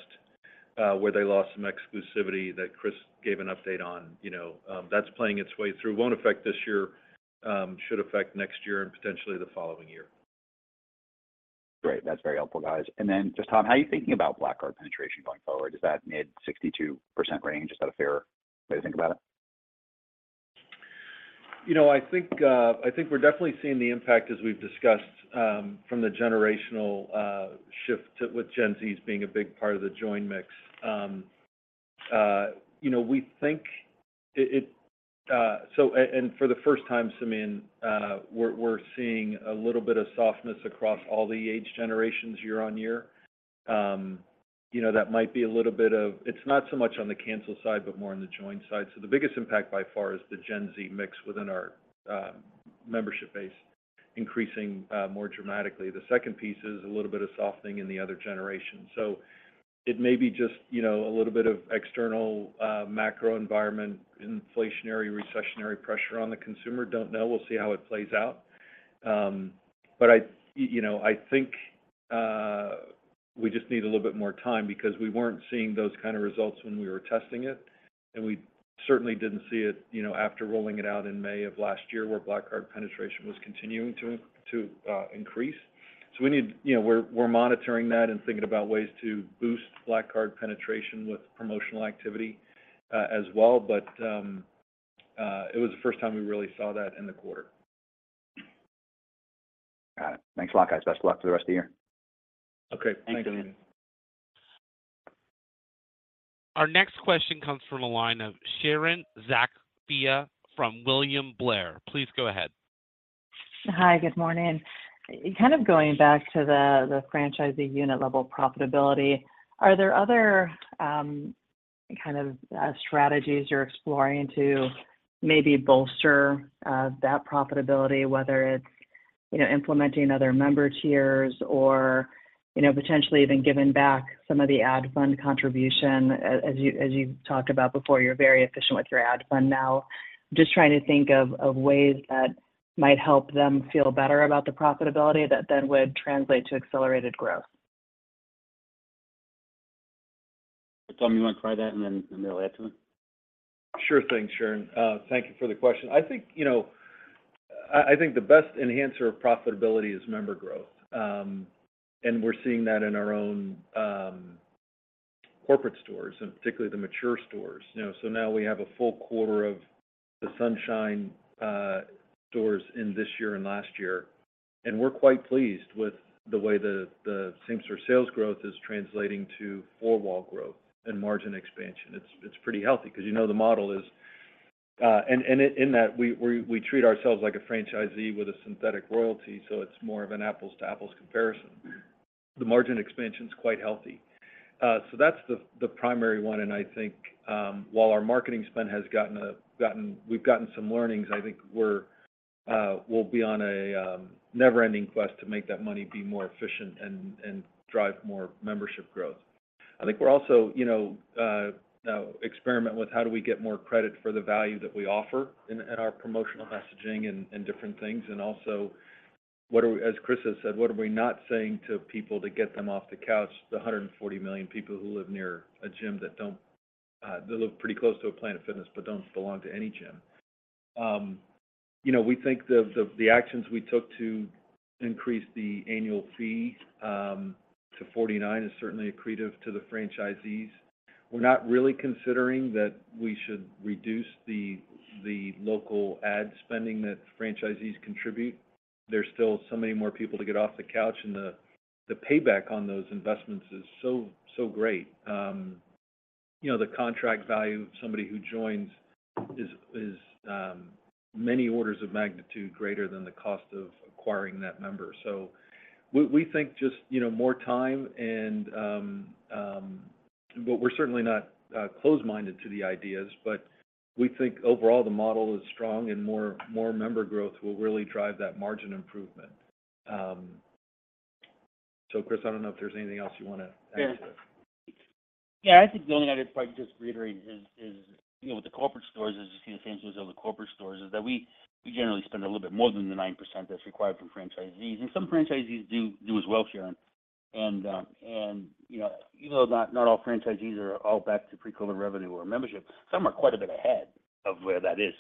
where they lost some exclusivity that Chris gave an update on. You know, that's playing its way through. It won't affect this year, should affect next year and potentially the following year. Great. That's very helpful, guys. Then just, Tom, how are you thinking about Black Card penetration going forward? Is that mid 62% range? Is that a fair way to think about it? You know, I think, I think we're definitely seeing the impact, as we've discussed, from the generational shift to with Gen Zs being a big part of the join mix. You know, we think it, it, and for the first time, Simeon, we're, we're seeing a little bit of softness across all the age generations year-on-year. You know, that might be a little bit of... It's not so much on the cancel side, but more on the join side. The biggest impact by far is the Gen Z mix within our membership base increasing more dramatically. The second piece is a little bit of softening in the other generations. It may be just, you know, a little bit of external, macro environment, inflationary, recessionary pressure on the consumer. Don't know. We'll see how it plays out. I, you know, I think, we just need a little bit more time because we weren't seeing those kind of results when we were testing it, and we certainly didn't see it, you know, after rolling it out in May of last year, where Black Card penetration was continuing to, to increase. We need. You know, we're monitoring that and thinking about ways to boost Black Card penetration with promotional activity as well, but it was the first time we really saw that in the quarter. Got it. Thanks a lot, guys. Best of luck for the rest of the year. Okay. Thank you. Thanks, Simeon. Our next question comes from the line of Sharon Zackfia from William Blair. Please go ahead. Hi, good morning. Kind of going back to the, the franchisee unit-level profitability, are there other, kind of, strategies you're exploring to maybe bolster that profitability, whether it's, you know, implementing other member tiers or, you know, potentially even giving back some of the ad fund contribution? As you've talked about before, you're very efficient with your ad fund now. Just trying to think of ways that might help them feel better about the profitability that then would translate to accelerated growth. Tom, you want to try that, and then, and then I'll add to it? Sure thing, Sharon. Thank you for the question. I think, you know, I, I think the best enhancer of profitability is member growth. We're seeing that in our own corporate stores, and particularly the mature stores. You know, so now we have a full quarter of the Sunshine stores in this year and last year, and we're quite pleased with the way the, the same-store sales growth is translating to four-wall growth and margin expansion. It's, it's pretty healthy because, you know, the model is. In that we treat ourselves like a franchisee with a synthetic royalty, so it's more of an apples-to-apples comparison. The margin expansion's quite healthy. That's the, the primary one, and I think, while our marketing spend has gotten some learnings, I think we'll be on a never-ending quest to make that money be more efficient and drive more membership growth. I think we're also, you know, experiment with how do we get more credit for the value that we offer in our promotional messaging and different things, and also, as Chris has said, what are we not saying to people to get them off the couch, the 140 million people who live near a gym that don't that live pretty close to a Planet Fitness but don't belong to any gym? You know, we think the, the, the actions we took to increase the annual fee to $49 is certainly accretive to the franchisees. We're not really considering that we should reduce the, the local ad spending that franchisees contribute. There's still so many more people to get off the couch, and the, the payback on those investments is so, so great. You know, the contract value of somebody who joins is, is many orders of magnitude greater than the cost of acquiring that member. We, we think just, you know, more time and... But we're certainly not closed-minded to the ideas, but we think overall the model is strong, and more, more member growth will really drive that margin improvement. Chris, I don't know if there's anything else you want to add to it? Yeah. Yeah, I think the only other point I'd just reiterate is, is, you know, with the corporate stores, as you see the same things with the corporate stores, is that we, we generally spend a little bit more than the 9% that's required from franchisees, and some franchisees do, do as well, Sharon. You know, even though not, not all franchisees are all back to pre-COVID revenue or membership, some are quite a bit ahead of where that is.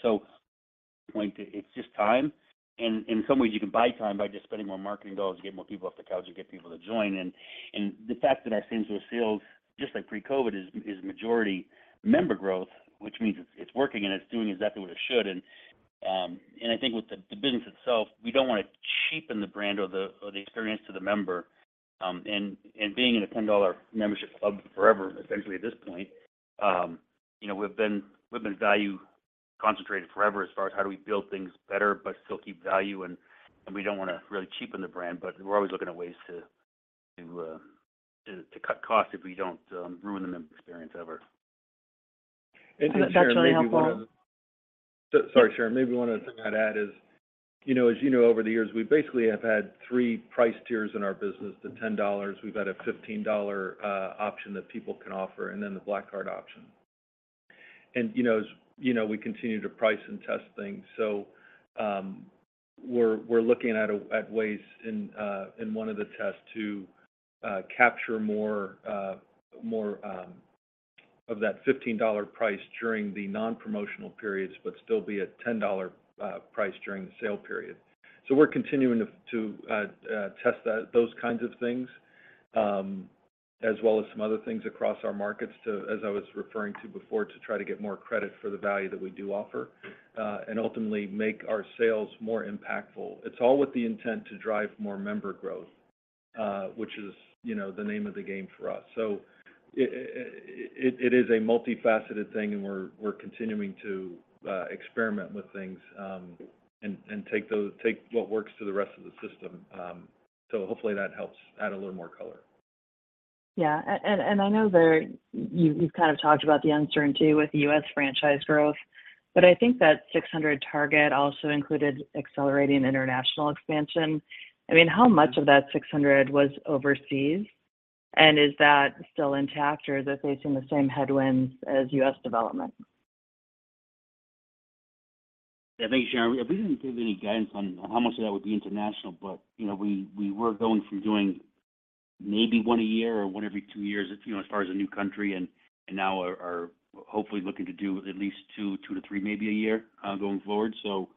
Point, it's just time, and in some ways, you can buy time by just spending more marketing dollars to get more people off the couch and get people to join. The fact that our same-store sales, just like pre-COVID, is majority member growth, which means it's, it's working and it's doing exactly what it should. I think with the business itself, we don't want to cheapen the brand or the experience to the member. Being in a $10 membership club forever, essentially at this point, you know, we've been value-concentrated forever as far as how do we build things better but still keep value, and we don't want to really cheapen the brand, but we're always looking at ways to cut costs if we don't ruin the member experience ever. Sharon, maybe one other- That's actually helpful. Sorry, Sharon. Maybe one other thing I'd add is, you know, as you know, over the years, we basically have had three price tiers in our business: the $10, we've had a $15 option that people can offer, and then the Black Card option. You know, as you know, we continue to price and test things. We're looking at ways in one of the tests to capture more, more of that $15 price during the non-promotional periods, but still be a $10 price during the sale period. We're continuing to, to test that, those kinds of things, as well as some other things across our markets to, as I was referring to before, to try to get more credit for the value that we do offer, and ultimately make our sales more impactful. It's all with the intent to drive more member growth. Which is, you know, the name of the game for us. It is a multifaceted thing, and we're, we're continuing to experiment with things, and take what works to the rest of the system. Hopefully that helps add a little more color. Yeah. And I know there, you've kind of talked about the uncertainty with the U.S. franchise growth, but I think that 600 target also included accelerating international expansion. I mean, how much of that 600 was overseas, and is that still intact, or is it facing the same headwinds as U.S. development? Yeah, thank you, Sharon. We didn't give any guidance on, on how much of that would be international, but, you know, we, we were going from doing maybe one a year or one every two years, you know, as far as a new country and, and now are, are hopefully looking to do at least two, two to three, maybe a year, going forward. You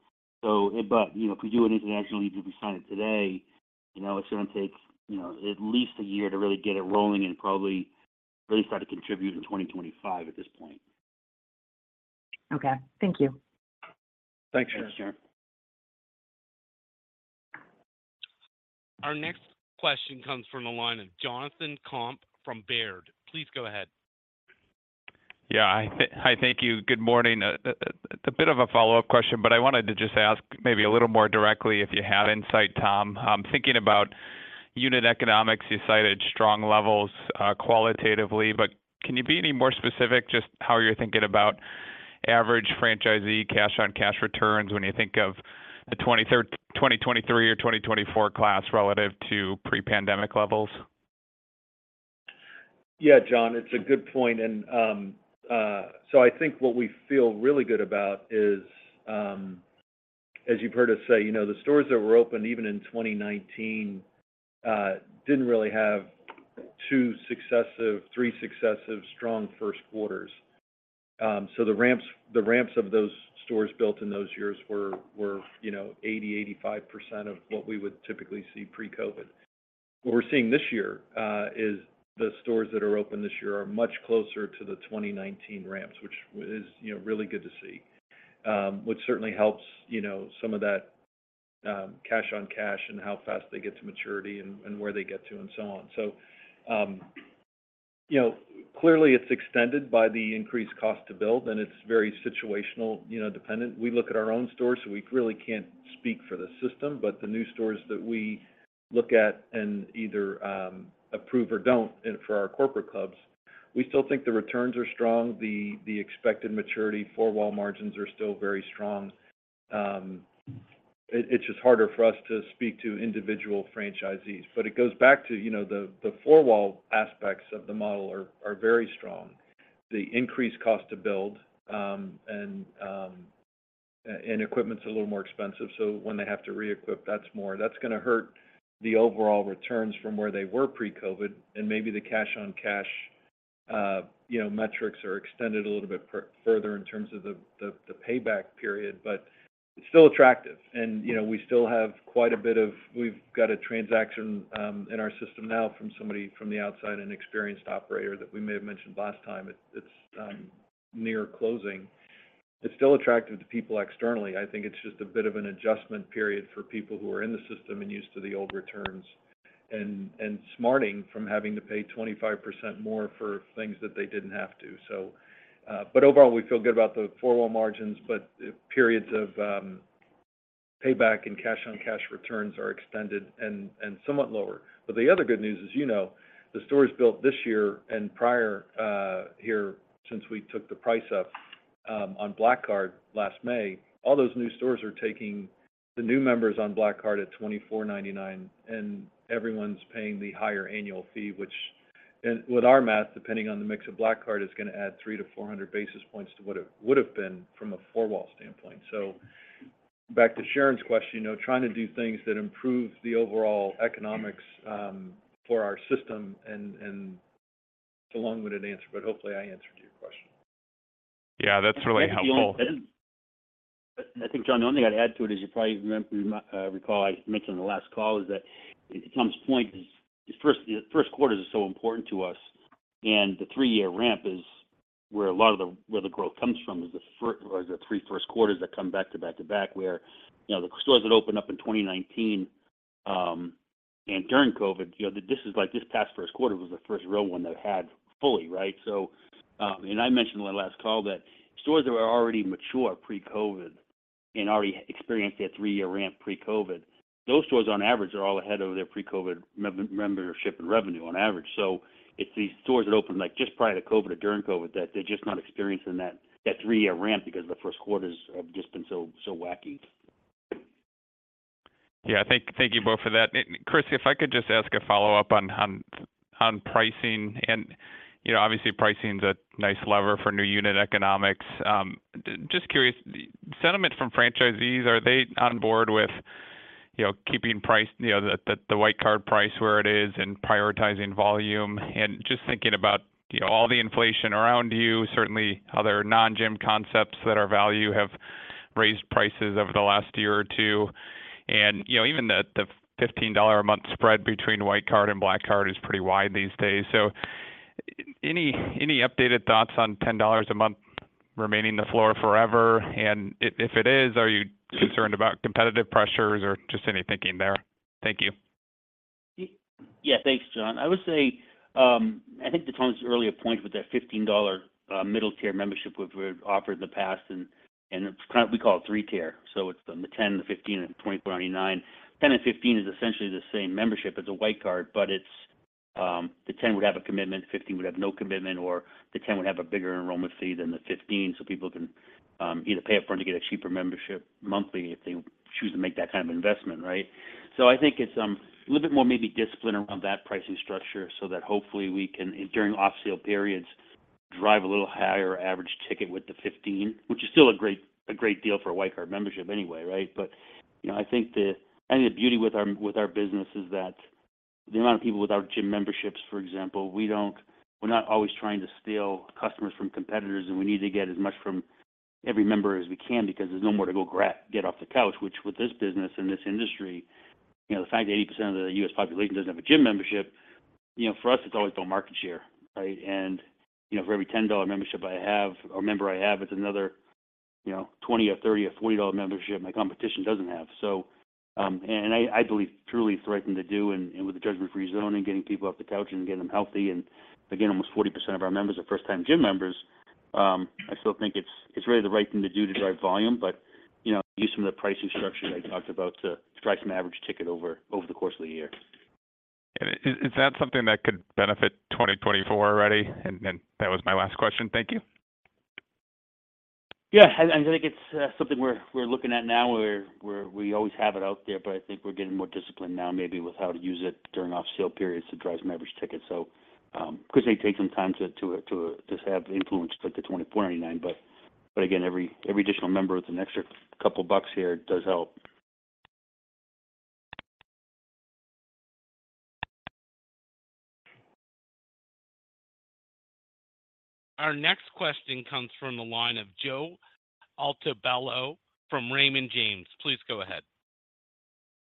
know, for you in international, even if you sign it today, you know, it's going to take, you know, at least a year to really get it rolling and probably at least start to contribute in 2025 at this point. Okay. Thank you. Thanks, Sharon. Our next question comes from the line of Jonathan Komp from Baird. Please go ahead. Yeah, hi. Hi. Thank you. Good morning. It's a bit of a follow-up question. I wanted to just ask maybe a little more directly if you had insight, Tom. I'm thinking about unit economics. You cited strong levels, qualitatively. Can you be any more specific just how you're thinking about average franchisee cash-on-cash returns when you think of the 2023 or 2024 class relative to pre-pandemic levels? Yeah, John, it's a good point. I think what we feel really good about is, as you've heard us say, you know, the stores that were open even in 2019 didn't really have two successive, three successive strong first quarters. The ramps, the ramps of those stores built in those years were, were, you know, 80%- 85% of what we would typically see pre-COVID. What we're seeing this year is the stores that are open this year are much closer to the 2019 ramps, which is, you know, really good to see. Which certainly helps, you know, some of that cash on cash and how fast they get to maturity and, and where they get to, and so on. You know, clearly, it's extended by the increased cost to build, and it's very situational, you know, dependent. We look at our own stores, so we really can't speak for the system, but the new stores that we look at and either approve or don't, and for our corporate clubs, we still think the returns are strong. The, the expected maturity four wall margins are still very strong. It, it's just harder for us to speak to individual franchisees. It goes back to, you know, the, the four wall aspects of the model are, are very strong. The increased cost to build, and equipment's a little more expensive, so when they have to reequip, that's more. That's going to hurt the overall returns from where they were pre-COVID, and maybe the cash-on-cash, you know, metrics are extended a little bit further in terms of the, the, the payback period, but it's still attractive. You know, we still have quite a bit of-- we've got a transaction in our system now from somebody from the outside, an experienced operator that we may have mentioned last time. It's near closing. It's still attractive to people externally. I think it's just a bit of an adjustment period for people who are in the system and used to the old returns and, and smarting from having to pay 25% more for things that they didn't have to. But overall, we feel good about the four wall margins, but periods of payback and cash-on-cash returns are extended and, and somewhat lower. The other good news is, you know, the stores built this year and prior, here since we took the price up on Black Card last May, all those new stores are taking the new members on Black Card at $24.99, and everyone's paying the higher annual fee, which. With our math, depending on the mix of Black Card, is going to add 300-400 basis points to what it would have been from a four wall standpoint. Back to Sharon's question, you know, trying to do things that improve the overall economics for our system, and it's a long-winded answer, but hopefully, I answered your question. Yeah, that's really helpful. I think, John, the only thing I'd add to it is you probably recall I mentioned on the last call, is that to Tom's point, is the first, the first quarter is so important to us, and the three-year ramp is where a lot of the where the growth comes from, is the is the three first quarters that come back-to-back-to-back, where, you know, the stores that opened up in 2019, and during COVID, you know, this is like, this past first quarter was the first real one that it had fully, right? I mentioned on the last call that stores that were already mature pre-COVID and already experienced that three-year ramp pre-COVID, those stores, on average, are all ahead of their pre-COVID member, membership and revenue on average. It's these stores that opened, like, just prior to COVID or during COVID, that they're just not experiencing that three-year ramp because the first quarters have just been so, so wacky. Yeah. Thank, thank you both for that. Chris, if I could just ask a follow-up on, on, on pricing. You know, obviously, pricing is a nice lever for new unit economics. Just curious, sentiment from franchisees, are they on board with, you know, keeping price, you know, the, the, the White Card price where it is and prioritizing volume? Just thinking about, you know, all the inflation around you, certainly other non-gym concepts that are value have raised prices over the last year or two. You know, even the $15 a month spread between White Card and Black Card is pretty wide these days. Any, any updated thoughts on $10 a month remaining the floor forever? If, if it is, are you concerned about competitive pressures or just any thinking there? Thank you. Yeah, thanks, John. I would say, I think to Tom's earlier point with that $15 middle tier membership, which we offered in the past, and, and it's kind of we call it three tier. It's the $10, the $15, and the $24.99. $10 and $15 is essentially the same membership as a White Card, but it's, the $10 would have a commitment, $15 would have no commitment, or the $10 would have a bigger enrollment fee than the $15, so people can, either pay up front to get a cheaper membership monthly if they choose to make that kind of investment, right? I think it's a little bit more maybe discipline around that pricing structure so that hopefully we can, during off-sale periods, drive a little higher average ticket with the $15, which is still a great, a great deal for a White Card membership anyway, right? You know, I think the, I think the beauty with our, with our business is that the amount of people without gym memberships, for example, we're not always trying to steal customers from competitors, and we need to get as much from every member as we can because there's nowhere to go get off the couch, which with this business and this industry, you know, the fact that 80% of the U.S. population doesn't have a gym membership, you know, for us, it's always about market share, right? You know, for every $10 membership I have, or member I have, it's another, you know, $20 or $30 or $40 membership my competition doesn't have. I, I believe truly it's the right thing to do, and, and with the Judgment Free Zone, getting people off the couch and getting them healthy, and again, almost 40% of our members are first-time gym members, I still think it's, it's really the right thing to do to drive volume. You know, use some of the pricing structure I talked about to drive some average ticket over, over the course of the year. Is that something that could benefit 2024 already? That was my last question. Thank you. Yeah, and, and I think it's something we're, we're looking at now, where, where we always have it out there, but I think we're getting more disciplined now, maybe with how to use it during off-sale periods to drive some average tickets. because they take some time to, to, to just have influence, like the $24.99. but again, every, every additional member with an extra couple bucks here does help. Our next question comes from the line of Joe Altobello from Raymond James. Please go ahead.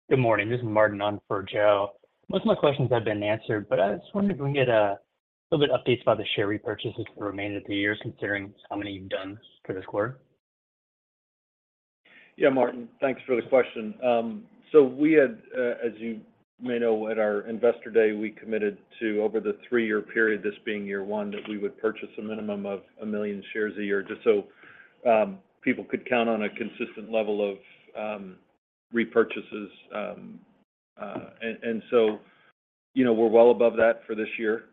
Good morning, this is Martin on for Joe. Most of my questions have been answered, but I was wondering if we could get a little bit updates about the share repurchases for the remainder of the year, considering how many you've done for this quarter? Yeah, Martin, thanks for the question. We had, as you may know, at our Investor Day, we committed to over the three-year period, this being year one, that we would purchase a minimum of one million shares a year, just so, people could count on a consistent level of repurchases. You know, we're well above that for this year.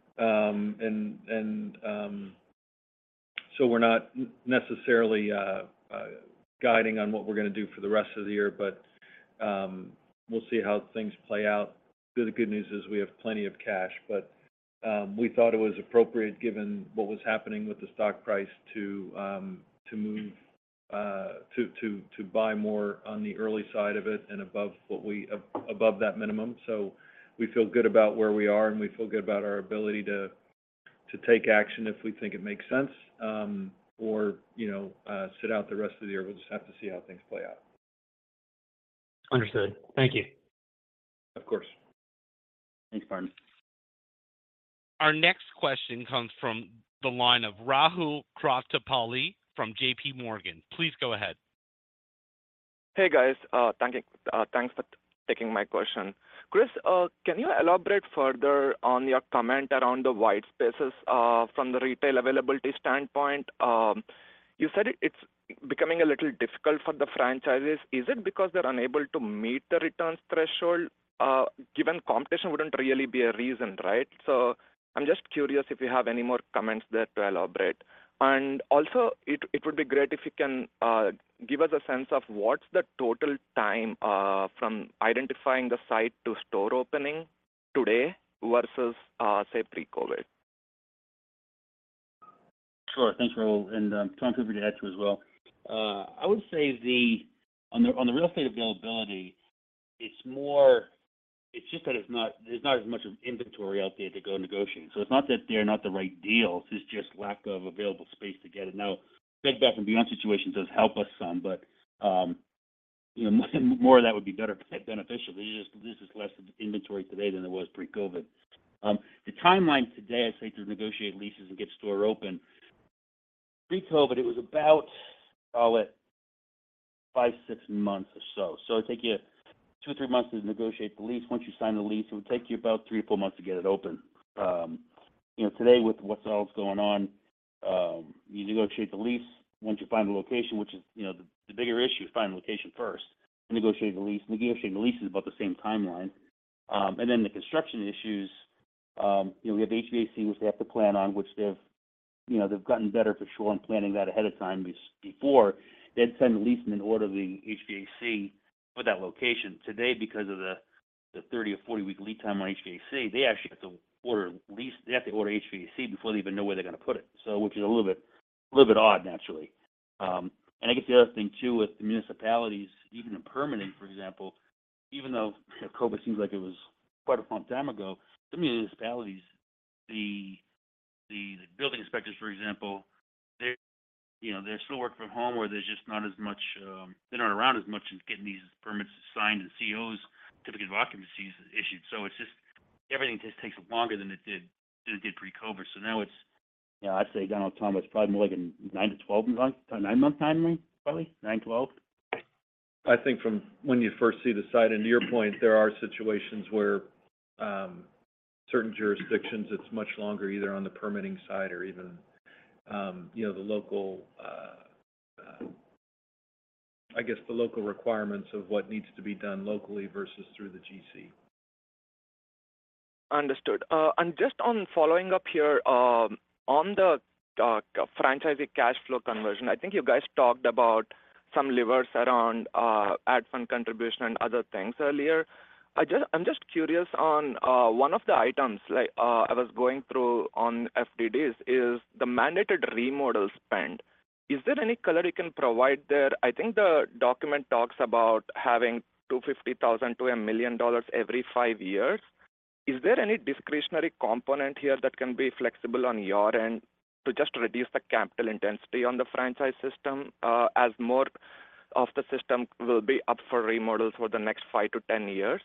We're not necessarily guiding on what we're going to do for the rest of the year, but we'll see how things play out. The good news is we have plenty of cash, but we thought it was appropriate, given what was happening with the stock price, to to move to to to buy more on the early side of it and above what we above that minimum. We feel good about where we are, and we feel good about our ability to, to take action if we think it makes sense, or, you know, sit out the rest of the year. We'll just have to see how things play out. Understood. Thank you. Of course. Thanks, Martin. Our next question comes from the line of Rahul Krotthapalli from JPMorgan. Please go ahead. Hey, guys. Thank you. Thanks for taking my question. Chris, can you elaborate further on your comment around the white spaces from the retail availability standpoint? You said it's becoming a little difficult for the franchises. Is it because they're unable to meet the returns threshold? Given competition wouldn't really be a reason, right? I'm just curious if you have any more comments there to elaborate. Also, it would be great if you can give us a sense of what's the total time from identifying the site to store opening today versus, say, pre-COVID. Sure. Thanks, Rahul, Tom, feel free to add to as well. I would say on the real estate availability, it's just that it's not, there's not as much of inventory out there to go negotiate. It's not that they're not the right deals, it's just lack of available space to get it. Now, Bed Bath & Beyond situation does help us some, but, you know, more of that would be better, beneficial. There's just, there's just less inventory today than there was pre-COVID. The timeline today, I'd say, to negotiate leases and get store open, pre-COVID, it was about, call it five to six months or so. It take you two to three months to negotiate the lease. Once you sign the lease, it would take you about three to four months to get it open. You know, today, with what's all going on, you negotiate the lease once you find the location, which is, you know, the bigger issue, find the location first, then negotiate the lease. Negotiating the lease is about the same timeline. The construction issues, you know, we have HVAC, which they have to plan on, which they've, you know, they've gotten better for sure on planning that ahead of time. Because before, they'd sign the lease and then order the HVAC for that location. Today, because of the 30-40 week lead time on HVAC, they actually have to order HVAC before they even know where they're going to put it. Which is a little bit, a little bit odd, naturally. I guess the other thing, too, with the municipalities, even in permitting, for example, even though COVID seems like it was quite a long time ago, some municipalities, the building inspectors, for example, you know, they're still working from home, where there's just not as much, they're not around as much and getting these permits signed and COs, certificate of occupancies, issued. Everything just takes longer than it did, than it did pre-COVID. Now it's, yeah, I'd say downtime, it's probably more like nine to 12 months, nine-month timeline, probably nine to 12. I think from when you first see the site, and to your point, there are situations where, certain jurisdictions, it's much longer, either on the permitting side or even, you know, the local, I guess, the local requirements of what needs to be done locally versus through the GC. Understood and just on following up here, on the franchisee cash flow conversion, I think you guys talked about some levers around ad fund contribution and other things earlier. I'm just curious on one of the items, like, I was going through on FDDs is the mandated remodel spend. Is there any color you can provide there? I think the document talks about having $250,000- $1 million every five years. Is there any discretionary component here that can be flexible on your end to just reduce the capital intensity on the franchise system, as more of the system will be up for remodels for the next five to 10 years?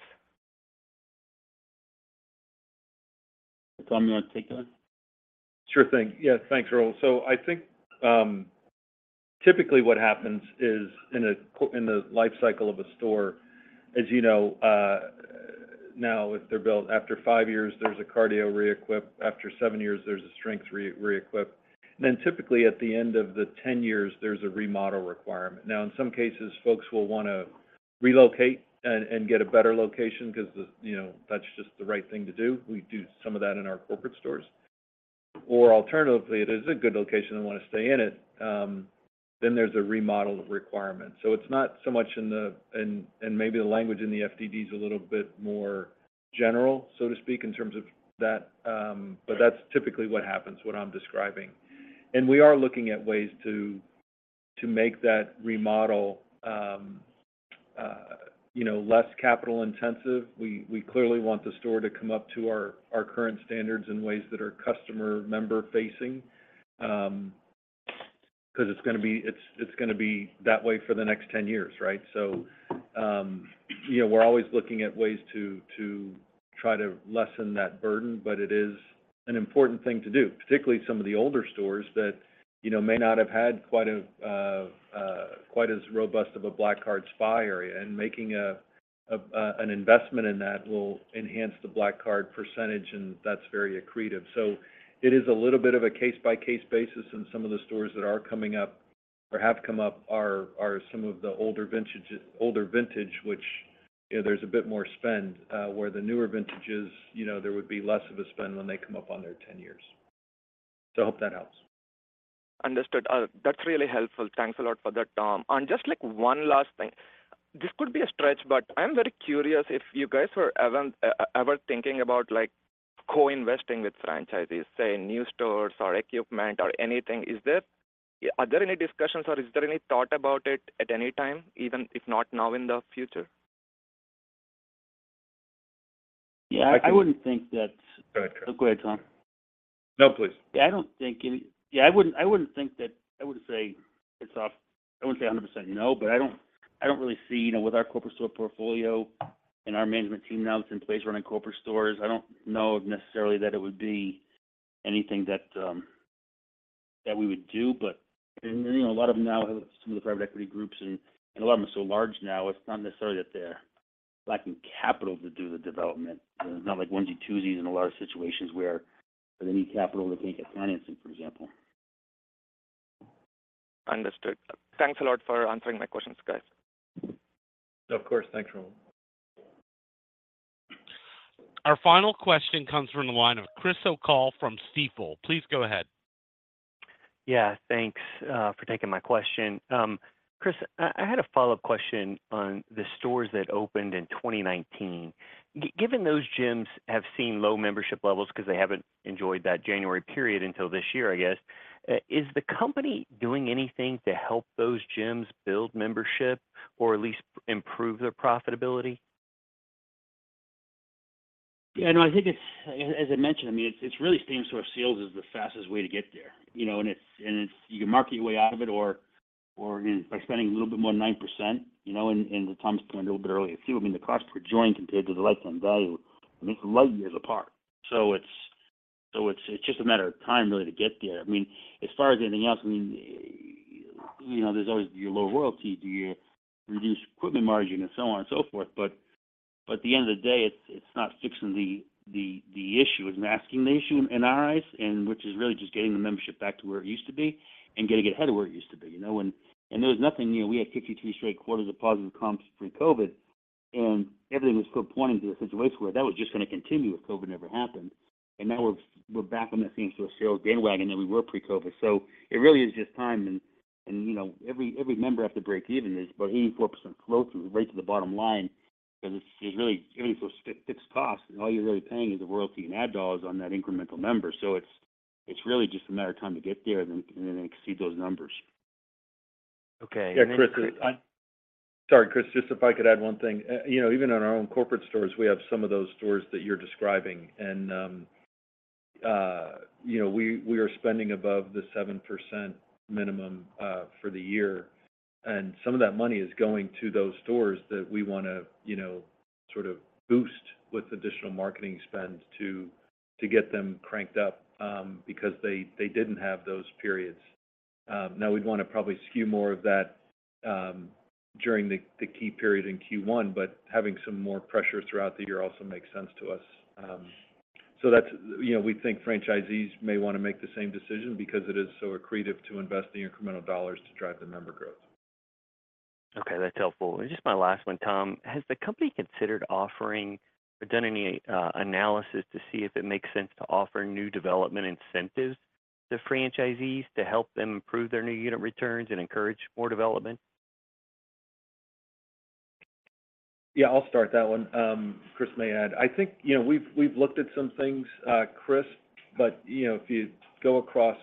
Tom, you want to take it? Sure thing. Yeah, thanks, Rahul. I think, typically what happens is in the life cycle of a store, as you know, now, if they're built after five years, there's a cardio re-equip. After seven years, there's a strength re-equip. Typically, at the end of the 10 years, there's a remodel requirement. In some cases, folks will want to relocate and get a better location because, you know, that's just the right thing to do. We do some of that in our corporate stores. Alternatively, it is a good location, they want to stay in it, then there's a remodel requirement. It's not so much in the... and maybe the language in the FDD is a little bit more general, so to speak, in terms of that. That's typically what happens, what I'm describing. We are looking at ways to, to make that remodel, you know, less capital intensive. We, we clearly want the store to come up to our, our current standards in ways that are customer-member facing, 'cause it's gonna be, it's, it's gonna be that way for the next 10 years, right? You know, we're always looking at ways to, to try to lessen that burden, but it is an important thing to do, particularly some of the older stores that, you know, may not have had quite a, quite as robust of a Black Card spa area. Making a, an investment in that will enhance the Black Card percentage, and that's very accretive. It is a little bit of a case-by-case basis, and some of the stores that are coming up or have come up are, are some of the older vintages-- older vintage, which, you know, there's a bit more spend, where the newer vintages, you know, there would be less of a spend when they come up on their 10 years. I hope that helps. Understood. That's really helpful. Thanks a lot for that, Tom. Just, like, one last thing. This could be a stretch, but I'm very curious if you guys were ever, ever thinking about, like, co-investing with franchisees, say, new stores or equipment or anything. Are there any discussions or is there any thought about it at any time, even if not now, in the future? Yeah, I wouldn't think that- Go ahead, Chris. Go ahead, Tom. No, please. I don't think any... Yeah, I wouldn't, I wouldn't think that-- I wouldn't say it's off. I wouldn't say 100% no, but I don't, I don't really see, you know, with our corporate store portfolio and our management team now that's in place running corporate stores, I don't know necessarily that it would be anything that we would do. You know, a lot of them now have some of the private equity groups, and a lot of them are so large now, it's not necessarily that they're lacking capital to do the development. It's not like onesie-twosies in a lot of situations where they need capital, they can't get financing, for example. Understood. Thanks a lot for answering my questions, guys. Of course. Thanks, Rahul. Our final question comes from the line of Chris O'Cull from Stifel. Please go ahead. Yeah, thanks for taking my question. Chris, I had a follow-up question on the stores that opened in 2019. Given those gyms have seen low membership levels because they haven't enjoyed that January period until this year, I guess, is the company doing anything to help those gyms build membership or at least improve their profitability? Yeah, no, I think it's, as I mentioned, I mean, it's, it's really same-store sales is the fastest way to get there. You know, it's, you can market your way out of it or, or by spending a little bit more than 9%, you know, Tom's point a little bit earlier, too, I mean, the cost per join compared to the lifetime value, I mean, it's light years apart. It's, it's just a matter of time, really, to get there. I mean, as far as anything else, I mean, you know, there's always your lower royalty, do you reduce equipment margin, and so on and so forth. At the end of the day it's, it's not fixing the, the, the issue. It's masking the issue in our eyes, and which is really just getting the membership back to where it used to be and getting it ahead of where it used to be, you know? There was nothing, you know, we had 52 straight quarters of positive comps pre-COVID, and everything was still pointing to a situation where that was just going to continue if COVID never happened. Now we're, we're back on the same sort of bandwagon that we were pre-COVID. It really is just time and, and, you know, every, every member have to break even is about 84% flow through right to the bottom line. Because it's really giving us fixed costs, and all you're really paying is the royalty and ad dollars on that incremental member. It's, it's really just a matter of time to get there and then, and then exceed those numbers. Okay. Yeah, Chris, just if I could add one thing. you know, even in our own corporate stores, we have some of those stores that you're describing. you know, we, we are spending above the 7% minimum for the year, and some of that money is going to those stores that we wanna, you know, sort of boost with additional marketing spend to, to get them cranked up because they, they didn't have those periods. Now we'd wanna probably skew more of that during the, the key period in Q1, but having some more pressure throughout the year also makes sense to us. That's, you know, we think franchisees may wanna make the same decision because it is so accretive to invest the incremental dollars to drive the member growth. Okay, that's helpful. Just my last one, Tom: Has the company considered offering or done any analysis to see if it makes sense to offer new development incentives to franchisees to help them improve their new unit returns and encourage more development? Yeah, I'll start that one. Chris may add. I think, you know, we've, we've looked at some things, Chris, you know, if you go across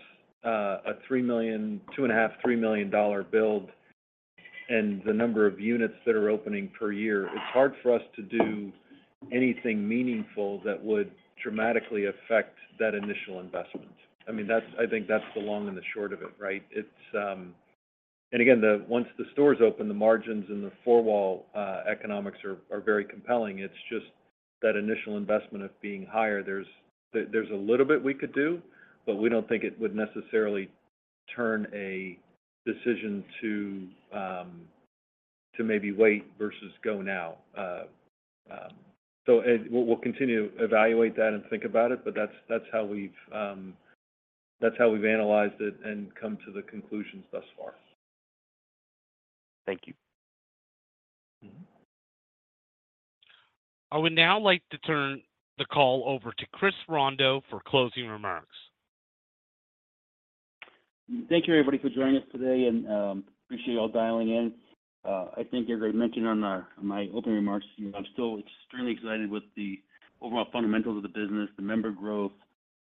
a $3 million, $2.5 million-$3 million build and the number of units that are opening per year, it's hard for us to do anything meaningful that would dramatically affect that initial investment. I mean, I think that's the long and the short of it, right? It's... again, the, once the stores open, the margins and the four-wall economics are, are very compelling. It's just that initial investment of being higher. There's, there's a little bit we could do, but we don't think it would necessarily turn a decision to to maybe wait versus go now. We'll, we'll continue to evaluate that and think about it, but that's, that's how we've, that's how we've analyzed it and come to the conclusions thus far. Thank you.. I would now like to turn the call over to Chris Rondeau for closing remarks. Thank you, everybody, for joining us today, and appreciate you all dialing in. I think as I mentioned on our, my opening remarks, you know, I'm still extremely excited with the overall fundamentals of the business, the member growth,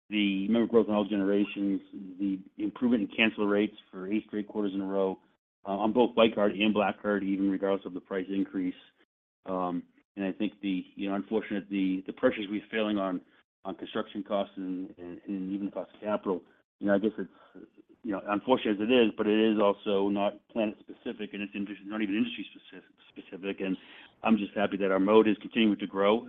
the member growth in all generations, the improvement in cancel rates for eight straight quarters in a row on both White Card and Black Card, even regardless of the price increase. I think the, you know, unfortunately, the, the pressures we're feeling on, on construction costs and, and, and even cost of capital, you know, I guess it's, you know, unfortunate as it is, but it is also not Planet specific, and it's not even industry specific. I'm just happy that our moat is continuing to grow,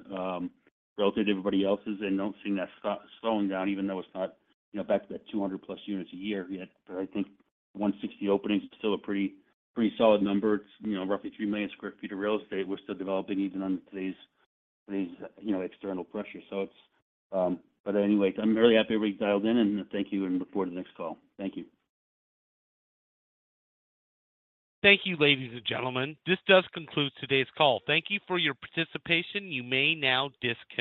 relative to everybody else's, and don't see that slowing down, even though it's not, you know, back to that 200+ units a year yet. I think 160 openings is still a pretty, pretty solid number. It's, you know, roughly 3 million sq ft of real estate we're still developing, even under today's, today's, you know, external pressure. Anyways, I'm really happy everybody dialed in, and thank you, and look forward to the next call. Thank you. Thank you, ladies and gentlemen. This does conclude today's call. Thank you for your participation. You may now disconnect.